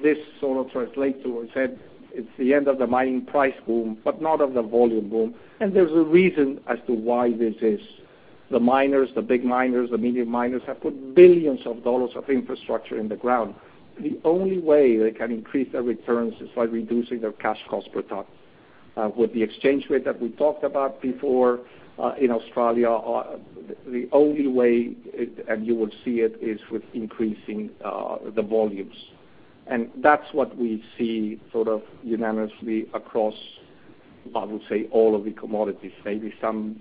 This sort of translates to, I said, it's the end of the mining price boom, but not of the volume boom. There's a reason as to why this is. The miners, the big miners, the medium miners, have put billions dollars of infrastructure in the ground. The only way they can increase their returns is by reducing their cash cost per ton. With the exchange rate that we talked about before, in Australia, the only way, and you will see it, is with increasing the volumes. That's what we see sort of unanimously across, I would say, all of the commodities. Maybe some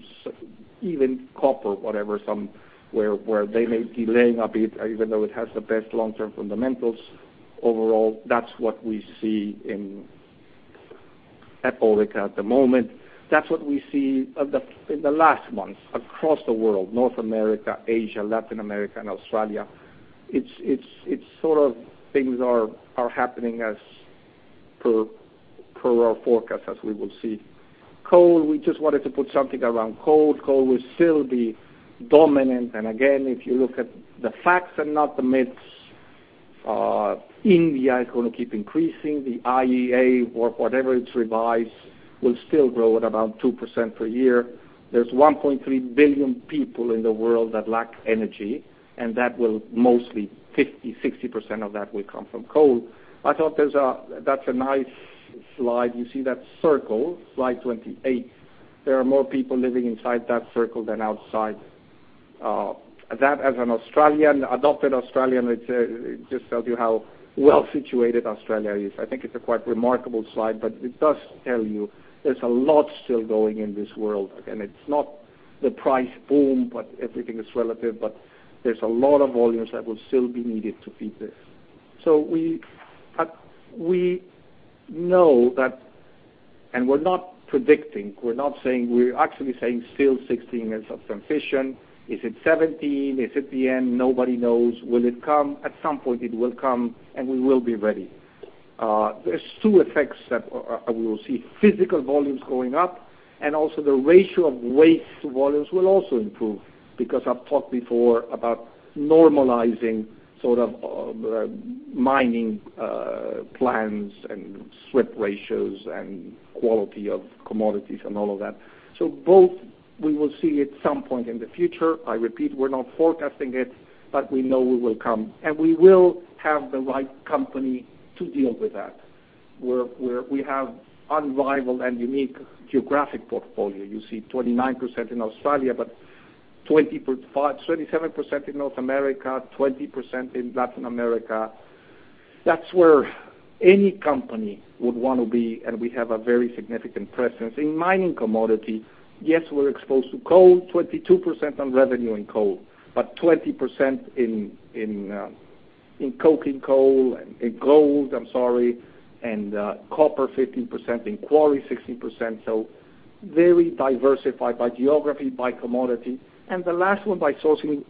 even copper, whatever, some where they may be delaying a bit, even though it has the best long-term fundamentals overall. That's what we see at Orica at the moment. That's what we see in the last months across the world, North America, Asia, Latin America, and Australia. It's sort of things are happening as per our forecast, as we will see. Coal, we just wanted to put something around coal. Coal will still be dominant. Again, if you look at the facts and not the myths, India is going to keep increasing. The IEA or whatever it's revised, will still grow at about 2% per year. There's 1.3 billion people in the world that lack energy, and that will mostly 50%, 60% of that will come from coal. I thought that's a nice slide. You see that circle, slide 28. There are more people living inside that circle than outside. That as an Australian, adopted Australian, it just tells you how well-situated Australia is. I think it's a quite remarkable slide, but it does tell you there's a lot still going in this world, and it's not the price boom, but everything is relative, but there's a lot of volumes that will still be needed to feed this. We know that, and we're not predicting. We're actually saying still 2016 is sufficient. Is it 2017? Is it the end? Nobody knows. Will it come? At some point, it will come, and we will be ready. There's two effects that we will see. Physical volumes going up, and also the ratio of waste volumes will also improve, because I've talked before about normalizing sort of mining plans and strip ratios and quality of commodities and all of that. Both we will see at some point in the future. I repeat, we're not forecasting it, but we know it will come, and we will have the right company to deal with that, where we have unrivaled and unique geographic portfolio. You see 29% in Australia, but 27% in North America, 20% in Latin America. That's where any company would want to be, and we have a very significant presence. In mining commodity, yes, we're exposed to coal, 22% on revenue in coal, but 20% in coking coal, in gold, I'm sorry, and copper 15%, in quarry 16%. Very diversified by geography, by commodity. The last one by sourcing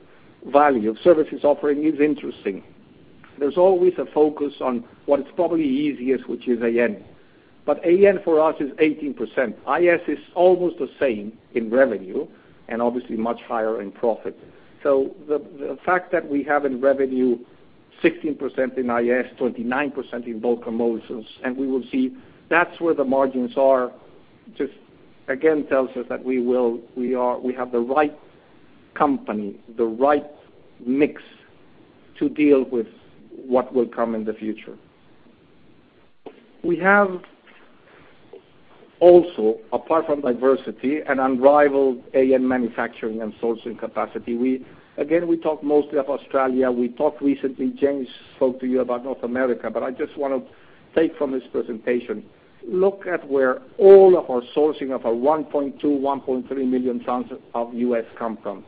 value of services offering is interesting. There's always a focus on what is probably easiest, which is AN. AN for us is 18%. IS is almost the same in revenue and obviously much higher in profit. The fact that we have in revenue 16% in IS, 29% in bulk emulsion, and we will see that's where the margins are, just again tells us that we have the right company, the right mix to deal with what will come in the future. We have also, apart from diversity, an unrivaled AN manufacturing and sourcing capacity. Again, we talk mostly of Australia. We talked recently, James spoke to you about North America, but I just want to take from this presentation. Look at where all of our sourcing of our 1.2, 1.3 million tons of AN come from.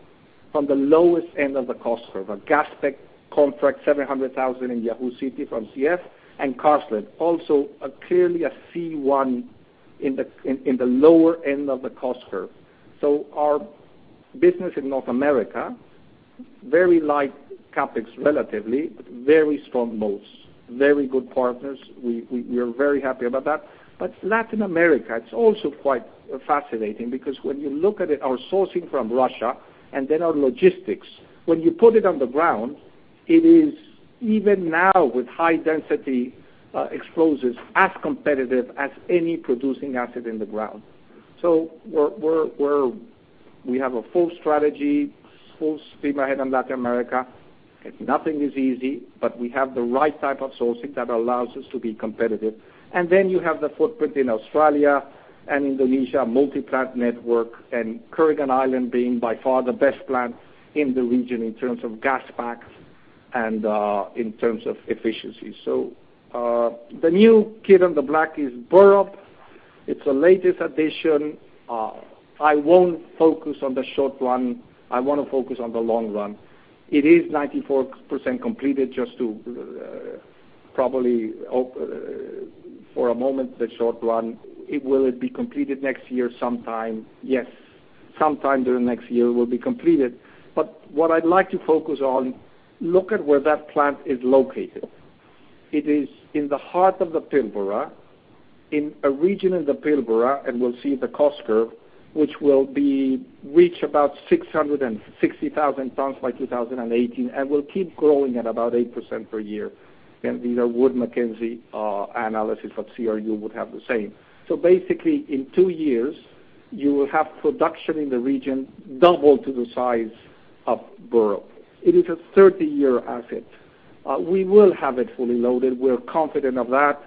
From the lowest end of the cost curve. A gas-pegged contract, 700,000 in Yazoo City from CF, and Carseland also clearly a C1 in the lower end of the cost curve. Our business in North America, very light CapEx relatively, but very strong moats. Very good partners. We are very happy about that. Latin America, it's also quite fascinating because when you look at it, our sourcing from Russia, and then our logistics. When you put it on the ground, it is even now with high density explosives, as competitive as any producing asset in the ground. We have a full strategy, full steam ahead on Latin America. Nothing is easy, but we have the right type of sourcing that allows us to be competitive. You have the footprint in Australia and Indonesia, multi-plant network, and Kooragang Island being by far the best plant in the region in terms of gas-pegged and in terms of efficiency. The new kid on the block is Burrup. It's the latest addition. I won't focus on the short run. I want to focus on the long run. It is 94% completed just to probably open for a moment the short run. Will it be completed next year sometime? Yes. Sometime during next year will be completed. What I'd like to focus on, look at where that plant is located. It is in the heart of the Pilbara, in a region in the Pilbara, we'll see the cost curve, which will reach about 660,000 tons by 2018 and will keep growing at about 8% per year. These are Wood Mackenzie analysis, but CRU would have the same. Basically in two years, you will have production in the region double to the size of Burrup. It is a 30-year asset. We will have it fully loaded. We're confident of that.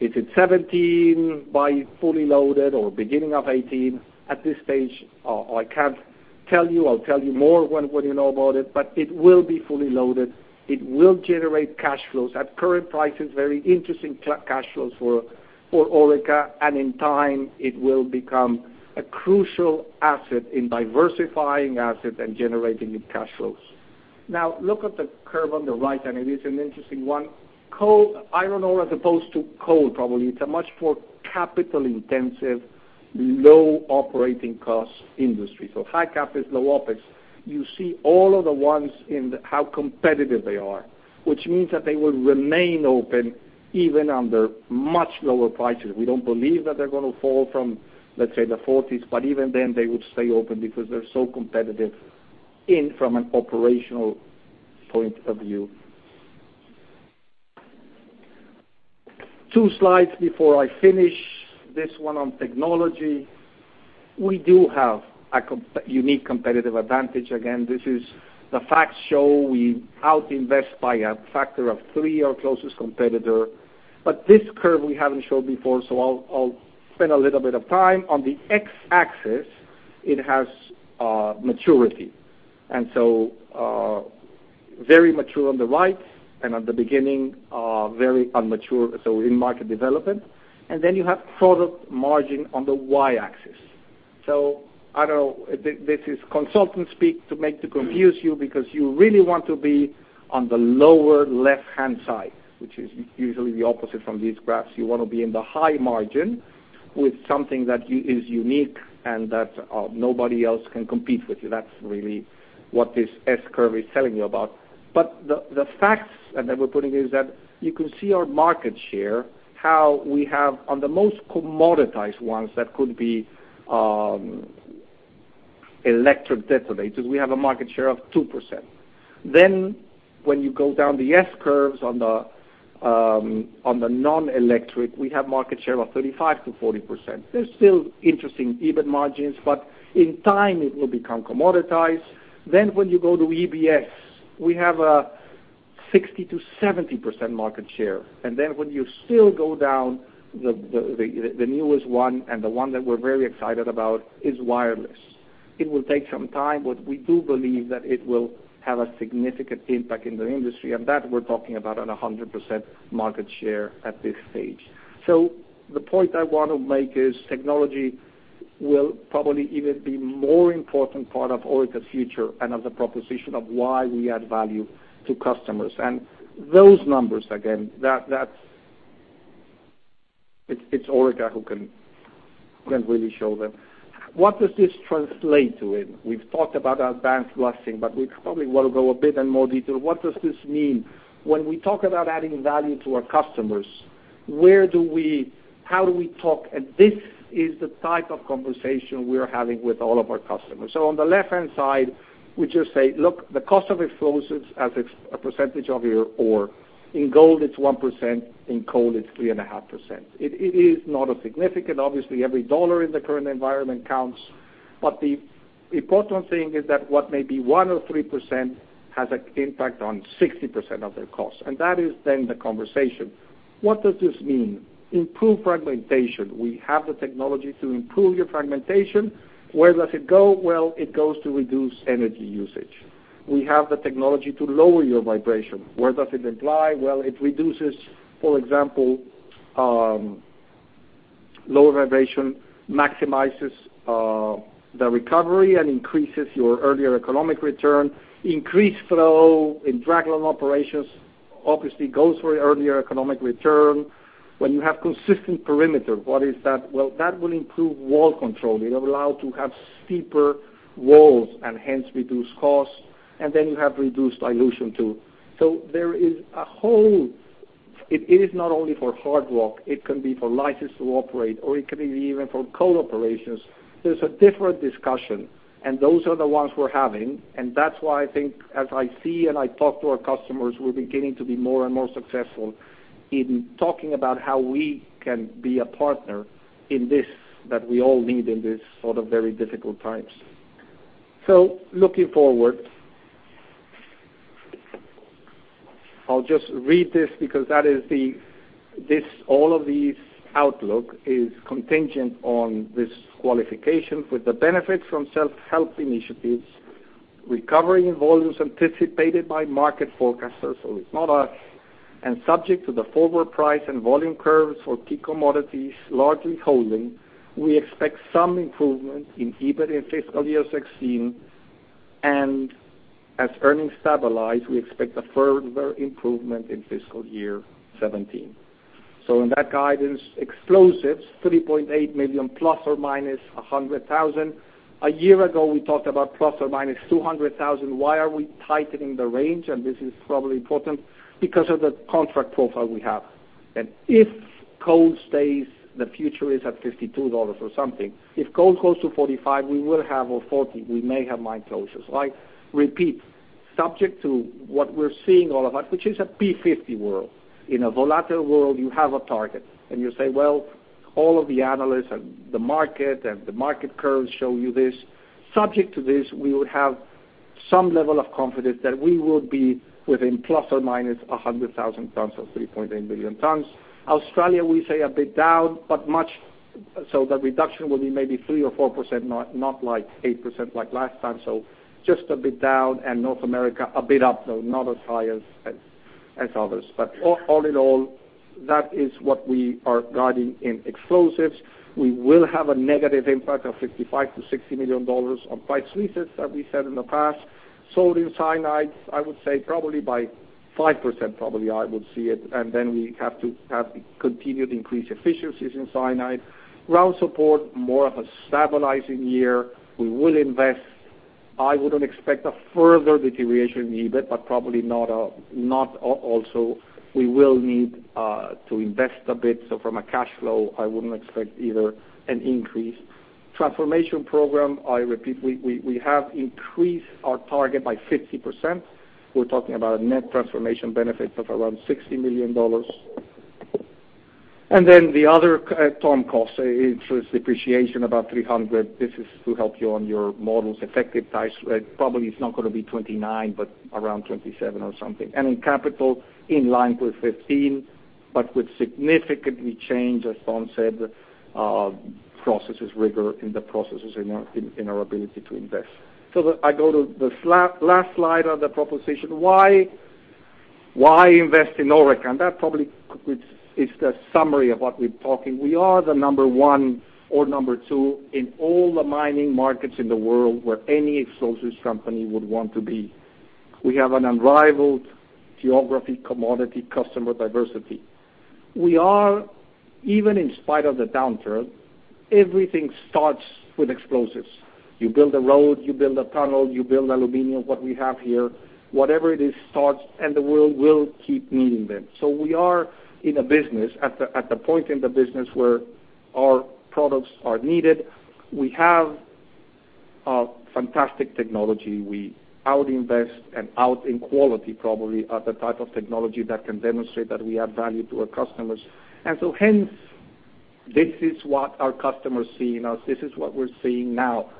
Is it 2017 by fully loaded or beginning of 2018? At this stage, I can't tell you. I'll tell you more when you know about it, but it will be fully loaded. It will generate cash flows at current prices, very interesting cash flows for Orica. In time, it will become a crucial asset in diversifying asset and generating cash flows. Look at the curve on the right, it is an interesting one. Coal, iron ore as opposed to coal, probably it's a much more capital-intensive, low operating cost industry. High CapEx, low OpEx. You see all of the ones and how competitive they are. Which means that they will remain open even under much lower prices. We don't believe that they're going to fall from, let's say, the 40s, but even then they would stay open because they're so competitive from an operational point of view. Two slides before I finish. This one on technology. We do have a unique competitive advantage. Again, this is the facts show we out-invest by a factor of three our closest competitor. This curve we haven't showed before, so I'll spend a little bit of time. On the X-axis, it has maturity. Very mature on the right, at the beginning, very unmature. In-market development. You have product margin on the Y-axis. I know this is consultant speak to confuse you because you really want to be on the lower left-hand side, which is usually the opposite from these graphs. You want to be in the high margin with something that is unique and that nobody else can compete with you. That's really what this S-curve is telling you about. The facts that we're putting is that you can see our market share, how we have on the most commoditized ones, that could be electric detonators. We have a market share of 2%. When you go down the S-curves on the non-electric, we have market share of 35%-40%. There's still interesting EBIT margins, in time, it will become commoditized. When you go to EBS, we have a 60%-70% market share. When you still go down the newest one, the one that we're very excited about is wireless. It will take some time, we do believe that it will have a significant impact in the industry, that we're talking about at 100% market share at this stage. The point I want to make is technology will probably even be more important part of Orica's future and of the proposition of why we add value to customers. Those numbers, again, it's Orica who can really show them. What does this translate to in? We've talked about advanced blasting, we probably want to go a bit in more detail. What does this mean? When we talk about adding value to our customers, how do we talk? This is the type of conversation we are having with all of our customers. On the left-hand side, we just say, look, the cost of explosives as a percentage of your ore. In gold, it's 1%. In coal, it's 3.5%. It is not significant. Obviously, every dollar in the current environment counts. The important thing is that what may be 1% or 3% has an impact on 60% of their cost. That is then the conversation. What does this mean? Improve fragmentation. We have the technology to improve your fragmentation. Where does it go? It goes to reduce energy usage. We have the technology to lower your vibration. Where does it apply? Lower vibration maximizes the recovery and increases your earlier economic return. Increased flow in dragline operations obviously goes for earlier economic return. When you have consistent perimeter, what is that? That will improve wall control. You're allowed to have steeper walls and hence reduce costs, and then you have reduced dilution too. It is not only for hard rock, it can be for license to operate, or it can be even for coal operations. There's a different discussion, and those are the ones we're having. That's why I think as I see and I talk to our customers, we're beginning to be more and more successful in talking about how we can be a partner in this, that we all need in this sort of very difficult times. Looking forward. I'll just read this because all of these outlook is contingent on this qualification. With the benefit from self-help initiatives, recovery in volumes anticipated by market forecasters, subject to the forward price and volume curves for key commodities largely holding, we expect some improvement in EBIT in fiscal year 2016. As earnings stabilize, we expect a further improvement in fiscal year 2017. In that guidance, explosives, 3.8 million tons, plus or minus 100,000 tons. A year ago, we talked about plus or minus 200,000 tons. Why are we tightening the range? This is probably important. Because of the contract profile we have. If coal stays, the future is at 52 dollars or something. If coal goes to 45, Or 40, we may have mine closures. I repeat, subject to what we're seeing all of that, which is a P50 world. In a volatile world, you have a target, and you say, all of the analysts and the market and the market curves show you this. Subject to this, we would have some level of confidence that we would be within plus or minus 100,000 tons or 3.8 million tons. Australia, we say a bit down. The reduction will be maybe 3% or 4%, not like 8% like last time. Just a bit down. North America, a bit up, though not as high as others. All in all, that is what we are guiding in explosives. We will have a negative impact of 55 million-60 million dollars on price resets, as we said in the past. Sodium cyanide, I would say probably by 5%, probably I would see it, and then we have to continue to increase efficiencies in cyanide. Ground support, more of a stabilizing year. We will invest. I wouldn't expect a further deterioration in EBIT, but probably not also. We will need to invest a bit. From a cash flow, I wouldn't expect either an increase. Transformation program, I repeat, we have increased our target by 50%. We're talking about a net transformation benefit of around 60 million dollars. The other, total cost, interest depreciation, about 300. This is to help you on your models effective tax rate. Probably it's not gonna be 29, but around 27 or something. In capital, in line with 15, but with significant change, as Tom said, processes rigor in the processes in our ability to invest. I go to the last slide of the proposition. Why invest in Orica? That probably is the summary of what we're talking. We are the number 1 or number 2 in all the mining markets in the world where any explosives company would want to be. We have an unrivaled geography, commodity, customer diversity. Even in spite of the downturn, everything starts with explosives. You build a road, you build a tunnel, you build aluminum, what we have here. Whatever it is starts, and the world will keep needing them. We are in a business at the point in the business where our products are needed. We have fantastic technology. We out-invest and out in quality, probably, are the type of technology that can demonstrate that we add value to our customers. Hence, this is what our customers see in us. This is what we're seeing now.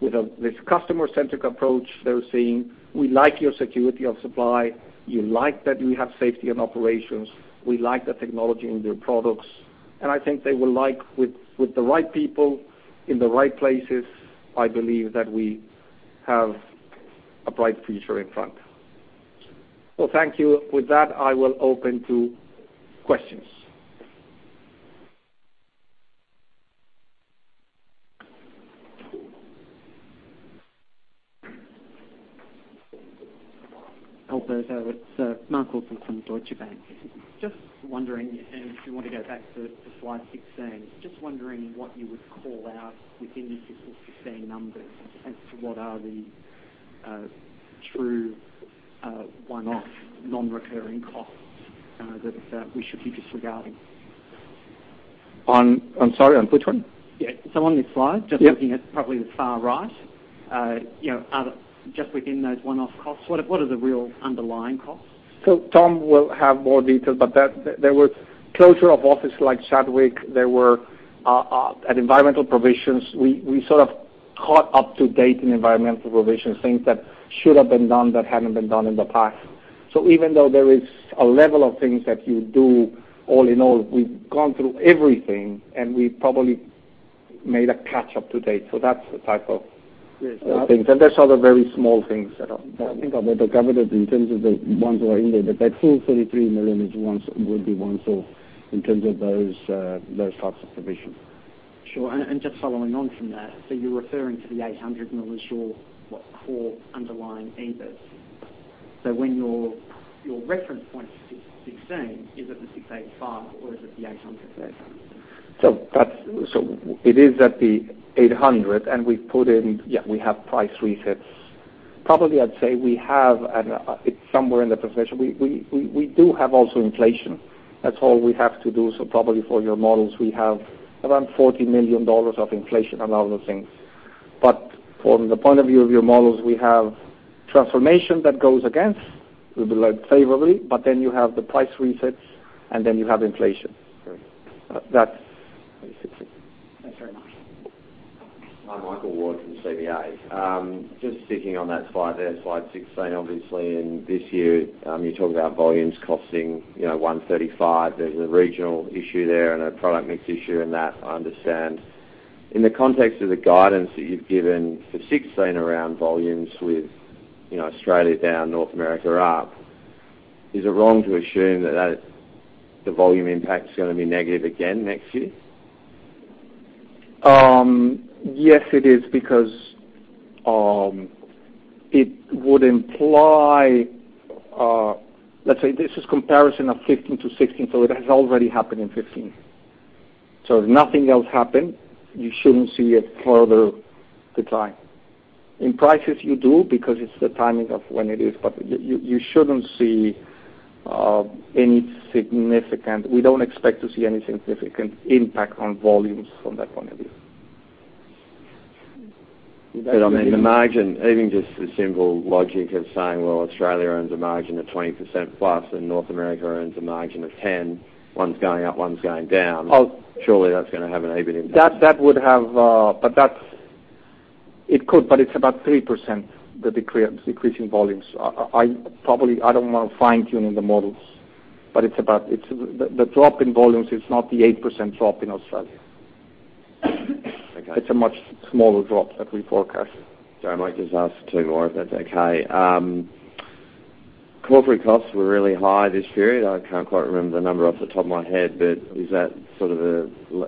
With this customer-centric approach, they're seeing, we like your security of supply. We like that you have safety in operations. We like the technology in your products. I think they will like with the right people in the right places, I believe that we have a bright future in front. Thank you. With that, I will open to questions. Alberto, it's Mark Wilson from Deutsche Bank. Just wondering, if you want to go back to slide 16. Just wondering what you would call out within these fiscal 2016 numbers as to what are the true one-off non-recurring costs that we should be disregarding. I'm sorry, on which one? Yeah. On this slide. Yeah. Just looking at probably the far right. Just within those one-off costs, what are the real underlying costs? Tom will have more details, but there were closure of office like Chadwick. There were environmental provisions. We sort of caught up to date in environmental provisions, things that should have been done that hadn't been done in the past. Even though there is a level of things that you do, all in all, we've gone through everything, and we probably made a catch up to date. That's the type of things. There's other very small things. I think I would have covered it in terms of the ones that are in there, that full 33 million will be once off in terms of those types of provisions. Sure. Just following on from that, you are referring to the 800 million as your core underlying EBIT. When your reference point is 2016, is it the 685 or is it the 830? It is at the 800. We have price resets. Probably I would say we have, it is somewhere in the position. We do have also inflation. That is all we have to do. Probably for your models, we have around 40 million dollars of inflation and other things. From the point of view of your models, we have transformation that goes against, will be led favorably, you have the price resets, you have inflation. Great. That is 2016. Thanks very much. Hi, Michael Ward from CBA. Just sticking on that slide there, slide 16, obviously, in this year, you talk about volumes costing 135. There's a regional issue there and a product mix issue. That I understand. In the context of the guidance that you've given for 2016 around volumes with Australia down, North America up, is it wrong to assume that the volume impact is going to be negative again next year? Yes, it is, because it would imply, let's say this is comparison of 2015 to 2016, so it has already happened in 2015. If nothing else happened, you shouldn't see a further decline. In prices you do, because it's the timing of when it is. You shouldn't see any significant impact on volumes from that point of view. I mean, the margin, even just the simple logic of saying, well, Australia earns a margin of 20% plus and North America earns a margin of 10, one's going up, one's going down. Oh. Surely that's going to have an EBIT impact. It could, but it's about 3%, the decrease in volumes. Probably, I don't want to fine-tune in the models. The drop in volumes is not the 8% drop in Australia. Okay. It's a much smaller drop that we forecasted. I might just ask two more, if that's okay. Corporate costs were really high this period. I can't quite remember the number off the top of my head, but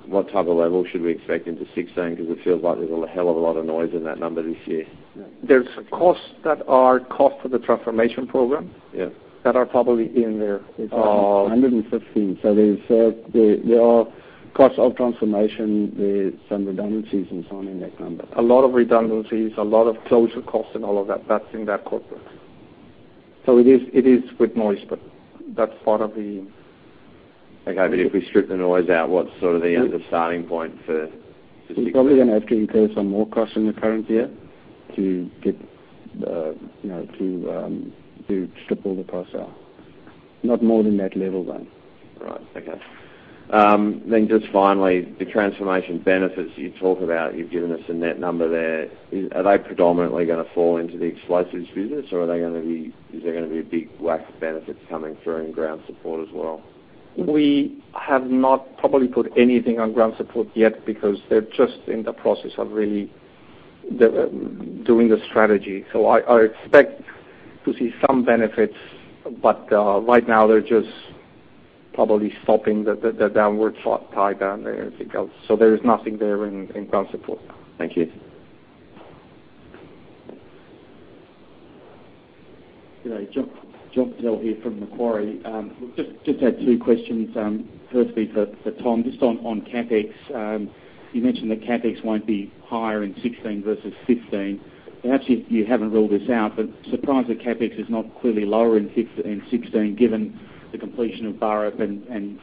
what type of level should we expect into 2016? Because it feels like there's a hell of a lot of noise in that number this year. There's costs that are cost for the transformation program- Yes that are probably in there. It's 115. There are costs of transformation, there's some redundancies and so on in that number. A lot of redundancies, a lot of closure costs and all of that's in that corporate. It is with noise, but that's part of the- Okay. If we strip the noise out, what is sort of the starting point for 2016? We are probably going to have to incur some more costs in the current year to strip all the costs out. Not more than that level, though. Right. Okay. Just finally, the transformation benefits you talk about, you have given us a net number there. Are they predominantly going to fall into the explosives business, or is there going to be a big whack of benefits coming through in ground support as well? We have not probably put anything on ground support yet because they are just in the process of really doing the strategy. I expect to see some benefits, but right now they are just probably stopping the downward slide down there. There is nothing there in ground support. Thank you. G'day. John Purtell here from Macquarie. Just had two questions. Firstly, for Tom, just on CapEx. You mentioned that CapEx won't be higher in 2016 versus 2015. Perhaps you haven't ruled this out, but surprised that CapEx is not clearly lower in 2016 given the completion of Burrup and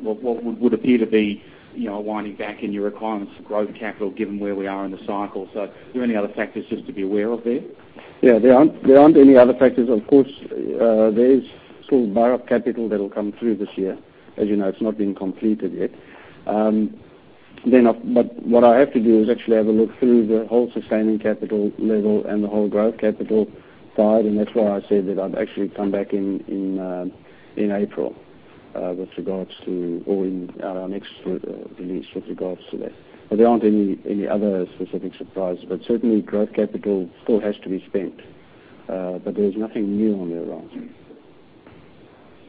what would appear to be a winding back in your requirements for growth capital, given where we are in the cycle. Are there any other factors just to be aware of there? There aren't any other factors. Of course, there is still Burrup capital that will come through this year. As you know, it's not been completed yet. What I have to do is actually have a look through the whole sustaining capital level and the whole growth capital side, and that's why I said that I'd actually come back in April with regards to Or in our next release with regards to that. There aren't any other specific surprises. Certainly, growth capital still has to be spent. There's nothing new on the horizon.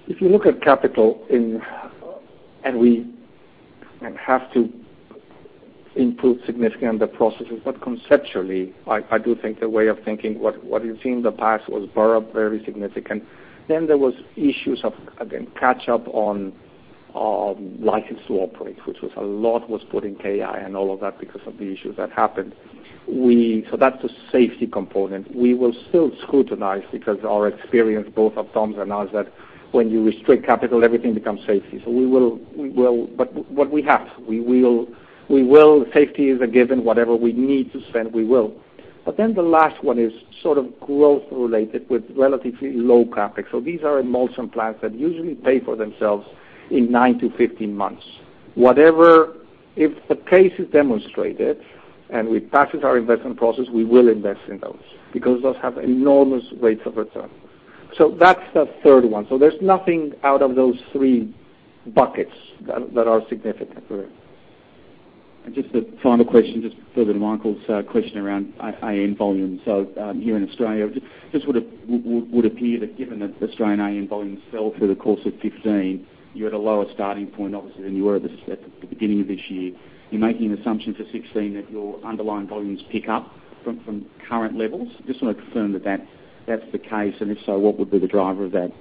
If you look at capital, we have to improve significantly on the processes, conceptually, I do think the way of thinking, what you've seen in the past was Burrup, very significant. There was issues of, again, catch up on license to operate, which was a lot was put in KI and all of that because of the issues that happened. That's the safety component. We will still scrutinize because our experience, both of Tom's and ours, that when you restrict capital, everything becomes safety. Safety is a given. Whatever we need to spend, we will. The last one is sort of growth related with relatively low CapEx. These are emulsion plants that usually pay for themselves in 9-15 months. If the case is demonstrated, and it passes our investment process, we will invest in those, because those have enormous rates of return. That's the third one. There's nothing out of those three buckets that are significant for it. Just a final question, just further to Michael Ward's question around AN volume. Here in Australia, just would appear that given that Australian AN volume fell through the course of 2015, you're at a lower starting point, obviously, than you were at the beginning of this year. You're making an assumption for 2016 that your underlying volumes pick up from current levels. Just want to confirm that that's the case, and if so, what would be the driver of that?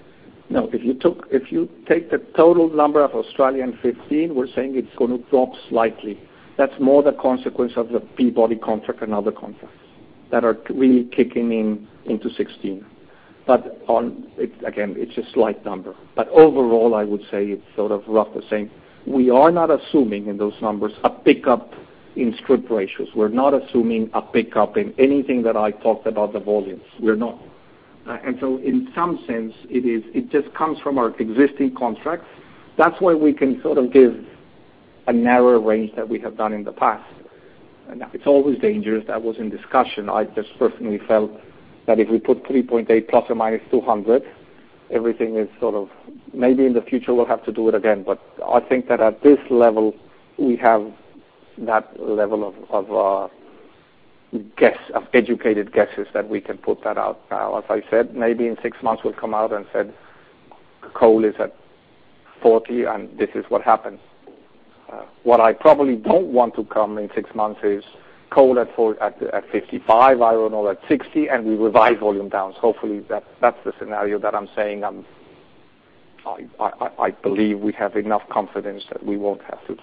No. If you take the total number of Australian 2015, we're saying it's going to drop slightly. That's more the consequence of the Peabody Energy contract and other contracts that are really kicking into 2016. Again, it's a slight number. Overall, I would say it's sort of rough the same. We are not assuming in those numbers a pickup in strip ratios. We're not assuming a pickup in anything that I talked about the volumes. We're not. In some sense, it just comes from our existing contracts. That's why we can sort of give a narrow range that we have done in the past. It's always dangerous. That was in discussion. I just personally felt that if we put 3.8 ± 200, everything is sort of. Maybe in the future, we'll have to do it again. I think that at this level, we have that level of educated guesses that we can put that out. As I said, maybe in six months we'll come out and said coal is at 40 and this is what happened. What I probably don't want to come in six months is coal at 55, iron ore at 60, and we revise volume down. Hopefully that's the scenario that I'm saying I believe we have enough confidence that we won't have to.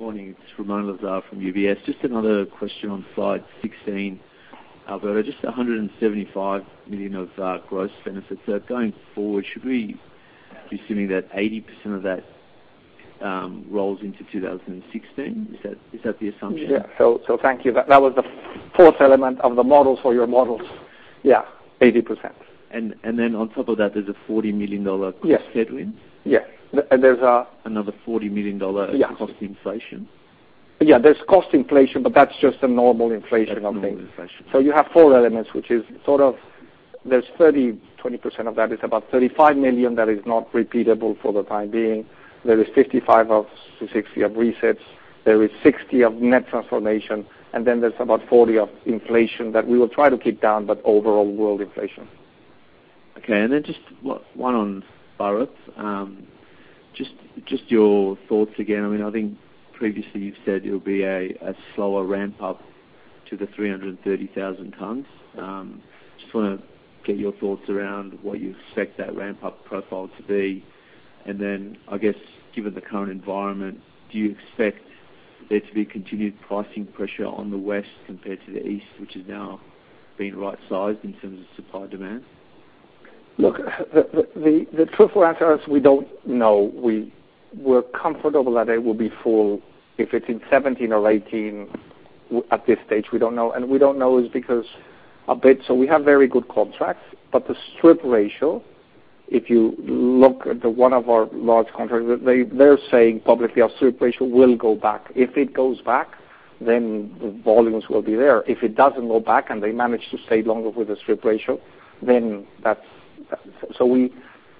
Morning. It's Ramoun Lazar from UBS. Just another question on slide 16, Alberto, just 175 million of gross benefits. Going forward, should we be assuming that 80% of that rolls into 2016? Is that the assumption? Yeah. Thank you. That was the fourth element of the models for your models. Yeah, 80%. Then on top of that, there's a 40 million dollar- Yes cost headroom? Yeah. Another 40 million dollar. Yeah cost inflation? Yeah. There's cost inflation, but that's just a normal inflation on things. That's normal inflation. You have four elements, which is, there's 30%, 20% of that is about 35 million that is not repeatable for the time being. There is 55 of 60 of resets. There is 60 of net transformation. There is about 40 of inflation that we will try to keep down, but overall world inflation. Okay. Just one on Burrup. Just your thoughts again. I think previously you've said it'll be a slower ramp-up to the 330,000 tons. Just want to get your thoughts around what you expect that ramp-up profile to be, then I guess given the current environment, do you expect there to be continued pricing pressure on the west compared to the east, which is now being right-sized in terms of supply-demand? Look, the truthful answer is we don't know. We're comfortable that it will be full. If it's in 2017 or 2018, at this stage, we don't know. We don't know is because a bit. We have very good contracts, but the strip ratio, if you look at the one of our large contracts, they're saying publicly our strip ratio will go back. If it goes back, the volumes will be there. If it doesn't go back and they manage to stay longer with the strip ratio, then that's.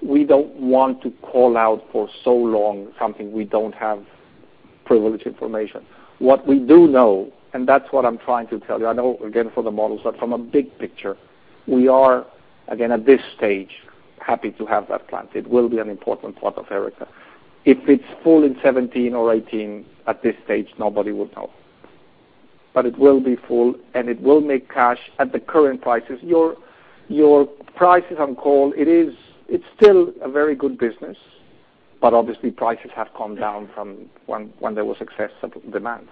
We don't want to call out for so long something we don't have privileged information. What we do know, and that's what I'm trying to tell you, I know, again, for the models, but from a big picture, we are again at this stage happy to have that plant. It will be an important part of Orica. If it's full in 2017 or 2018, at this stage, nobody will know. It will be full, and it will make cash at the current prices. Your prices on coal, it's still a very good business, but obviously prices have come down from when there was excess of demand.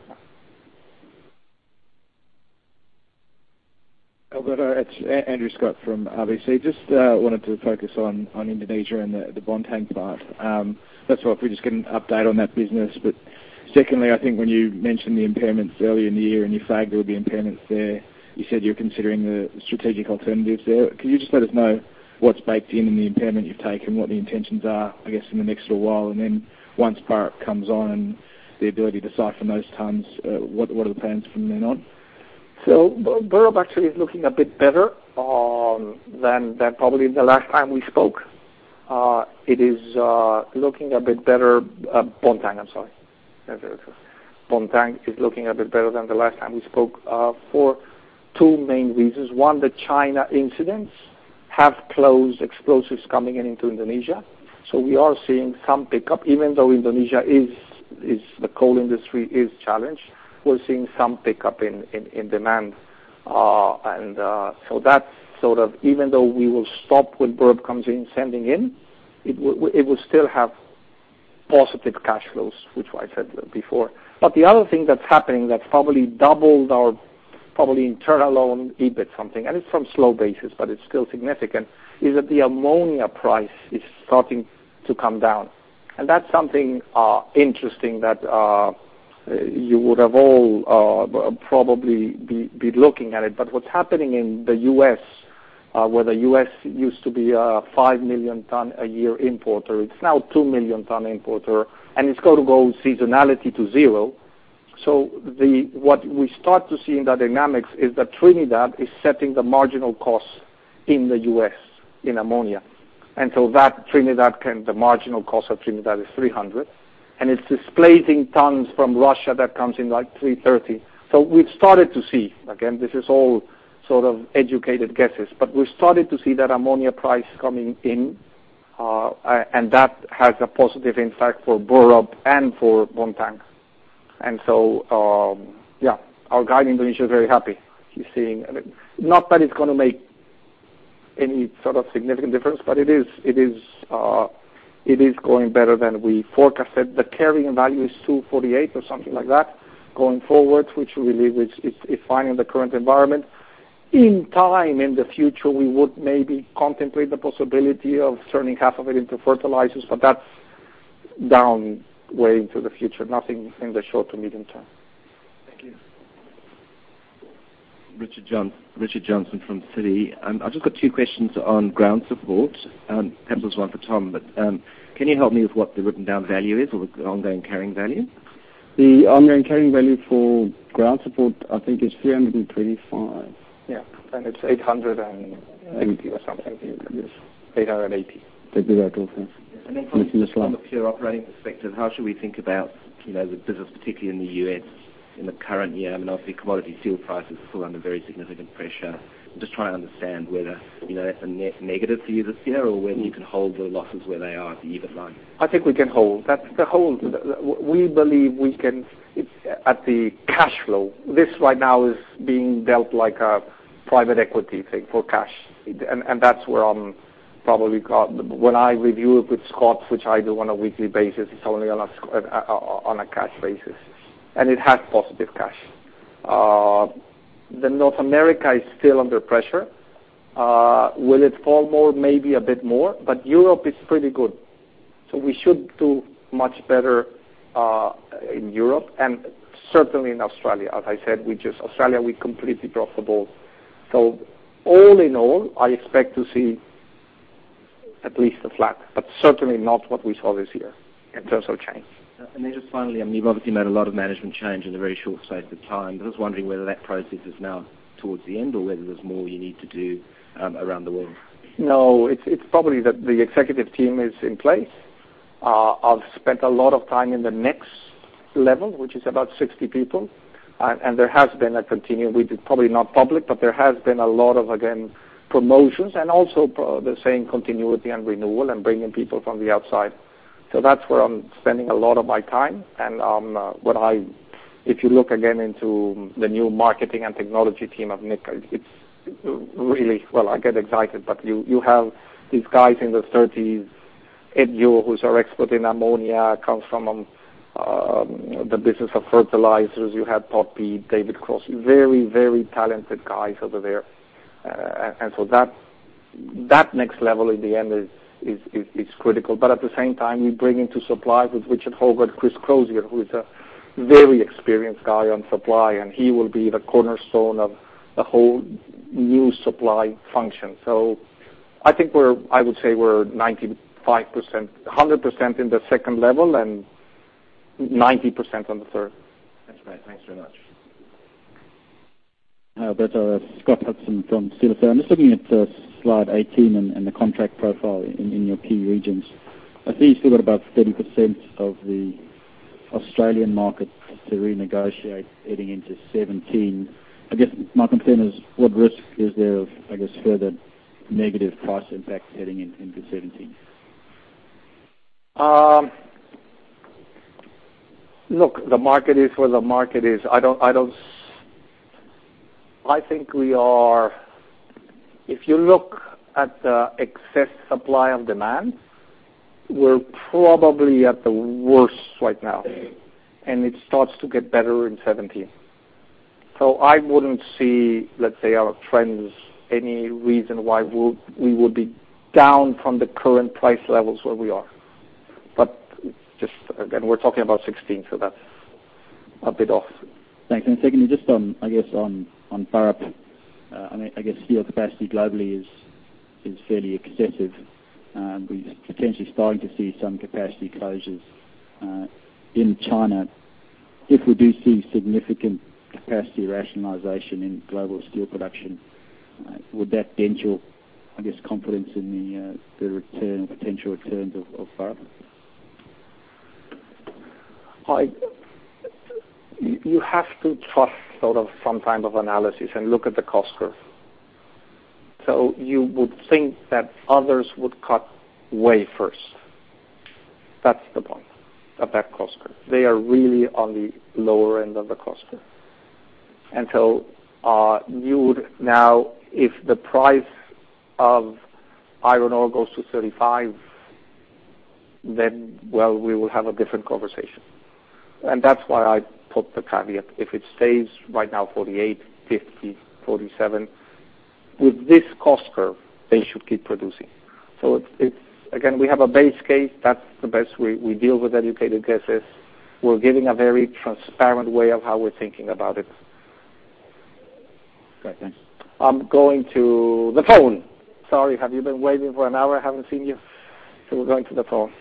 Alberto, it's Andrew Scott from RBC. Just wanted to focus on Indonesia and the Bontang part. That's why if we just get an update on that business. Secondly, I think when you mentioned the impairments earlier in the year and you flagged there would be impairments there, you said you were considering the strategic alternatives there. Can you just let us know what's baked in the impairment you've taken, what the intentions are, I guess, in the next little while? And then once Burrup comes on and the ability to siphon those tons, what are the plans from then on? Burrup actually is looking a bit better than probably the last time we spoke. It is looking a bit better. Bontang, I'm sorry. Bontang is looking a bit better than the last time we spoke, for two main reasons. One, the China incidents have closed explosives coming into Indonesia. We are seeing some pickup, even though Indonesia is the coal industry is challenged. We're seeing some pickup in demand. That sort of, even though we will stop when Burrup comes in sending in, it will still have positive cash flows, which I said before. The other thing that's happening that's probably doubled our, probably in turn alone, EBIT something, and it's from slow basis, but it's still significant, is that the ammonia price is starting to come down. That's something interesting that you would have all probably be looking at it. What's happening in the U.S., where the U.S. used to be a 5 million ton a year importer, it's now a 2 million ton importer, and it's got to go seasonality to zero. What we start to see in the dynamics is that Trinidad is setting the marginal cost in the U.S. in ammonia. The marginal cost of Trinidad is 300, and it's displacing tons from Russia that comes in like 330. We've started to see, again, this is all sort of educated guesses, but we started to see that ammonia price coming in, and that has a positive impact for Burrup and for Bontang. Yeah, our guy in Indonesia is very happy. He's seeing, not that it's going to make any sort of significant difference, but it's going better than we forecasted. The carrying value is 248 or something like that going forward, which we believe is fine in the current environment. In time, in the future, we would maybe contemplate the possibility of turning half of it into fertilizers, but that's down way into the future. Nothing in the short to midterm. Thank you. Richard Johnson from Citi. I've just got two questions on ground support, and perhaps there's one for Tom. Can you help me with what the written down value is or the ongoing carrying value? The ongoing carrying value for ground support, I think it's 325. It's 880 or something. 880. That's about all, thanks. From a pure operating perspective, how should we think about the business, particularly in the U.S. in the current year? I mean, obviously commodity steel prices are still under very significant pressure. I'm just trying to understand whether that's a net negative for you this year or whether you can hold the losses where they are at the EBIT line. I think we can hold. We believe we can, at the cash flow. This right now is being dealt like a private equity thing for cash. That's where I'm probably caught. When I review it with Scott, which I do on a weekly basis, it's only on a cash basis, and it has positive cash. North America is still under pressure. Will it fall more? Maybe a bit more. Europe is pretty good. We should do much better in Europe and certainly in Australia. As I said, Australia, we're completely profitable. All in all, I expect to see at least a flat, but certainly not what we saw this year in terms of change. Just finally, you've obviously made a lot of management change in a very short space of time. I'm just wondering whether that process is now towards the end or whether there's more you need to do around the world. It's probably that the executive team is in place. I've spent a lot of time in the next level, which is about 60 people. There has been a continuum. We've been probably not public, but there has been a lot of, again, promotions and also the same continuity and renewal and bringing people from the outside. That's where I'm spending a lot of my time. If you look again into the new marketing and technology team of Nick, it's really Well, I get excited, but you have these guys in their 30s. Ed Yu, who's our expert in ammonia, comes from the business of fertilizers. You have Todd P., David Cross. Very talented guys over there. That next level in the end is critical. At the same time, we bring into supply with Richard Hogarth, Chris Crozier, who is a very experienced guy on supply, and he will be the cornerstone of the whole new supply function. I think I would say we're 100% in the second level and 90% on the third. That's great. Thanks very much. Hi, Alberto. Scott Hudson from Citi. I'm just looking at slide 18 and the contract profile in your key regions. I see you've still got about 30% of the Australian market to renegotiate heading into 2017. I guess my concern is what risk is there of further negative price impacts heading into 2017? Look, the market is where the market is. I think if you look at the excess supply on demand, we're probably at the worst right now, and it starts to get better in 2017. I wouldn't see, let's say, our trends, any reason why we would be down from the current price levels where we are. Just again, we're talking about 2016, so that's a bit off. Thanks. Secondly, just on, I guess, on ramp. I guess steel capacity globally is fairly excessive. We're potentially starting to see some capacity closures in China. If we do see significant capacity rationalization in global steel production, would that dent your confidence in the potential returns of on ramp? You have to trust some type of analysis and look at the cost curve. You would think that others would cut way first. That's the point of that cost curve. They are really on the lower end of the cost curve. Now, if the price of iron ore goes to 35, well, we will have a different conversation. That's why I put the caveat. If it stays right now 48, 50, 47, with this cost curve, they should keep producing. Again, we have a base case. That's the best way we deal with educated guesses. We're giving a very transparent way of how we're thinking about it. Great. Thanks. I'm going to the phone. Sorry, have you been waiting for an hour? I haven't seen you, we're going to the phone.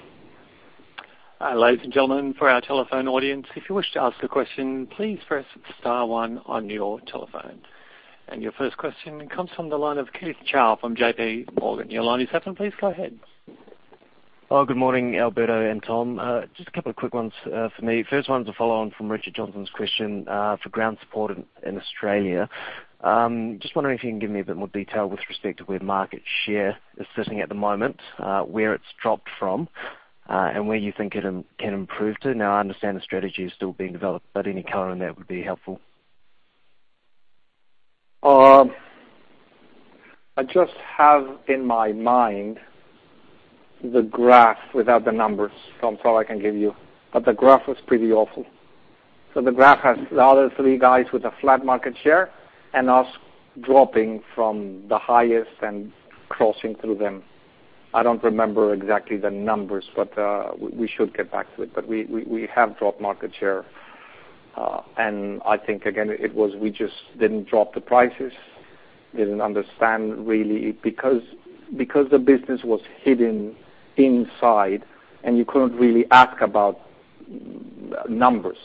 Ladies and gentlemen, for our telephone audience, if you wish to ask a question, please press star one on your telephone. Your first question comes from the line of Keith Chow from JP Morgan. Your line is open. Please go ahead. Good morning, Alberto and Tom. Just a couple of quick ones for me. First one's a follow-on from Richard Johnson's question for ground support in Australia. Just wondering if you can give me a bit more detail with respect to where market share is sitting at the moment, where it's dropped from, and where you think it can improve to. I understand the strategy is still being developed, any color on that would be helpful. I just have in my mind the graph without the numbers. I'm sorry, I can give you. The graph was pretty awful. The graph has the other three guys with a flat market share and us dropping from the highest and crossing through them. I don't remember exactly the numbers, we should get back to it. We have dropped market share. I think again, it was we just didn't drop the prices, didn't understand really because the business was hidden inside, and you couldn't really ask about numbers,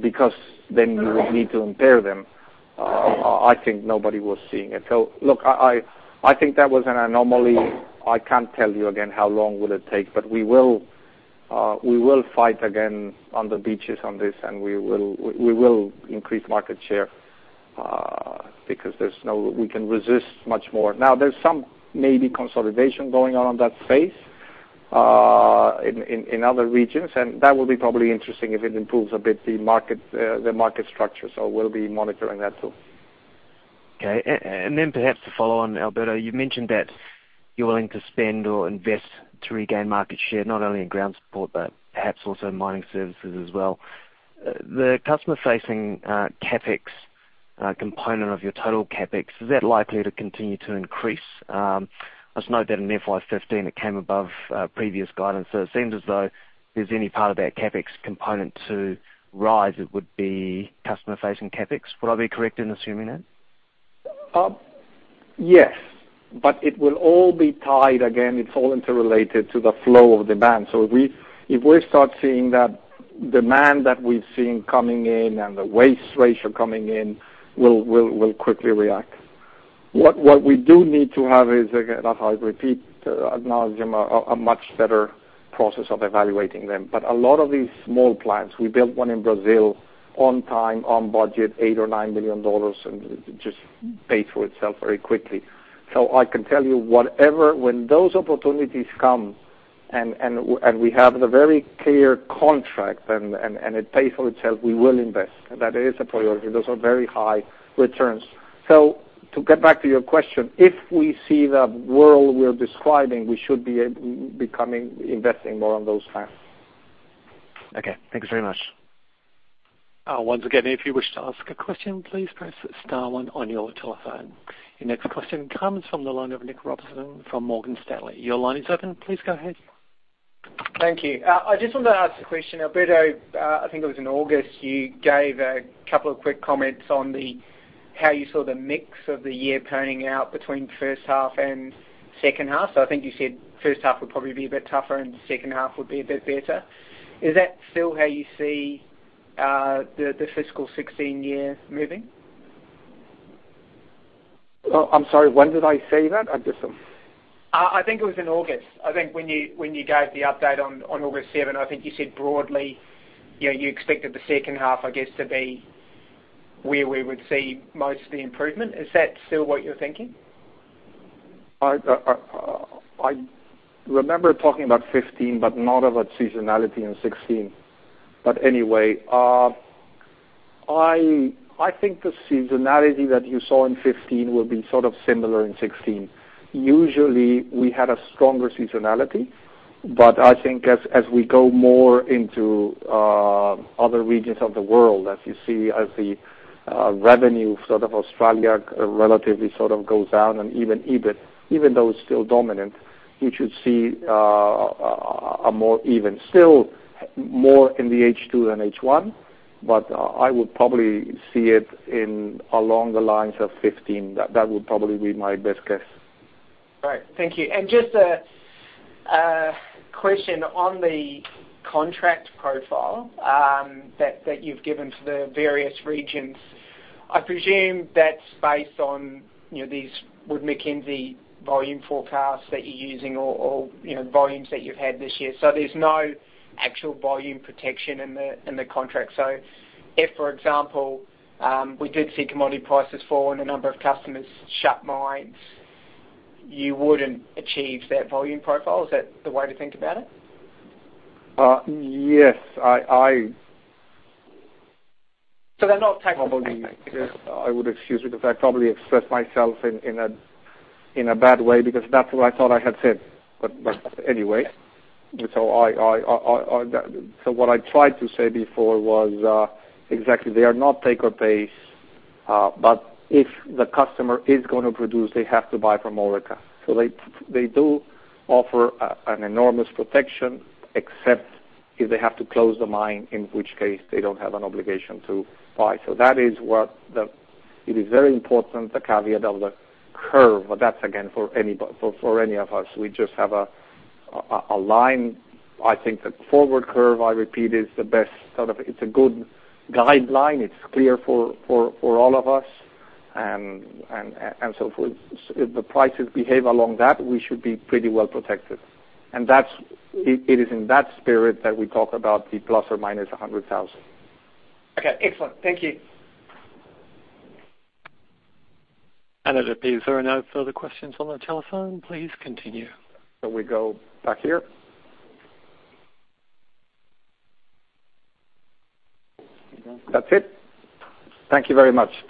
because then you would need to impair them. I think nobody was seeing it. Look, I think that was an anomaly. I can't tell you again how long will it take, we will fight again on the beaches on this, we will increase market share, because we can resist much more. There's some maybe consolidation going on that space in other regions, that will be probably interesting if it improves a bit, the market structure. We'll be monitoring that too. Okay. Then perhaps to follow on, Alberto, you mentioned that you're willing to spend or invest to regain market share, not only in ground support, perhaps also in mining services as well. The customer-facing CapEx component of your total CapEx, is that likely to continue to increase? I just note that in FY 2015, it came above previous guidance. It seems as though if there's any part of that CapEx component to rise, it would be customer-facing CapEx. Would I be correct in assuming that? Yes. It will all be tied again. It's all interrelated to the flow of demand. If we start seeing that demand that we've seen coming in and the strip ratio coming in, we'll quickly react. What we do need to have is again, I repeat ad nauseam, a much better process of evaluating them. A lot of these small plants, we built one in Brazil on time, on budget, 8 million or 9 million dollars, and it just paid for itself very quickly. I can tell you, when those opportunities come and we have the very clear contract and it pays for itself, we will invest. That is a priority. Those are very high returns. To get back to your question, if we see the world we're describing, we should be investing more on those fronts. Okay. Thank you very much. Once again, if you wish to ask a question, please press star one on your telephone. Your next question comes from the line of Nick Robinson from Morgan Stanley. Your line is open. Please go ahead. Thank you. I just wanted to ask a question. Alberto, I think it was in August, you gave a couple of quick comments on how you saw the mix of the year turning out between first half and second half. I think you said first half would probably be a bit tougher and second half would be a bit better. Is that still how you see the fiscal 2016 year moving? I'm sorry, when did I say that? I just don't I think it was in August. I think when you gave the update on August 7, I think you said broadly, you expected the second half, I guess, to be where we would see most of the improvement. Is that still what you're thinking? I remember talking about 2015, not about seasonality in 2016. Anyway, I think the seasonality that you saw in 2015 will be sort of similar in 2016. Usually, we had a stronger seasonality. I think as we go more into other regions of the world, as you see, as the revenue sort of Australia relatively sort of goes down and even though it's still dominant, we should see a more even. Still more in the H2 than H1, but I would probably see it in along the lines of 2015. That would probably be my best guess. Great. Thank you. Just a question on the contract profile that you've given for the various regions. I presume that's based on these Wood Mackenzie volume forecasts that you're using or volumes that you've had this year. There's no actual volume protection in the contract. If, for example, we did see commodity prices fall and a number of customers shut mines, you wouldn't achieve that volume profile. Is that the way to think about it? Yes. They're not take-or-pay contracts. I would excuse because I probably expressed myself in a bad way because that's what I thought I had said. Anyway. What I tried to say before was exactly they are not take-or-pay, but if the customer is going to produce, they have to buy from Orica. They do offer an enormous protection except if they have to close the mine, in which case they don't have an obligation to buy. That is what. It is very important, the caveat of the curve, but that's again for any of us. We just have a line. I think the forward curve, I repeat, is the best sort of, it's a good guideline. It's clear for all of us. If the prices behave along that, we should be pretty well protected. It is in that spirit that we talk about the plus or minus 100,000. Okay. Excellent. Thank you. There appears there are no further questions on the telephone. Please continue. We go back here. That's it. Thank you very much.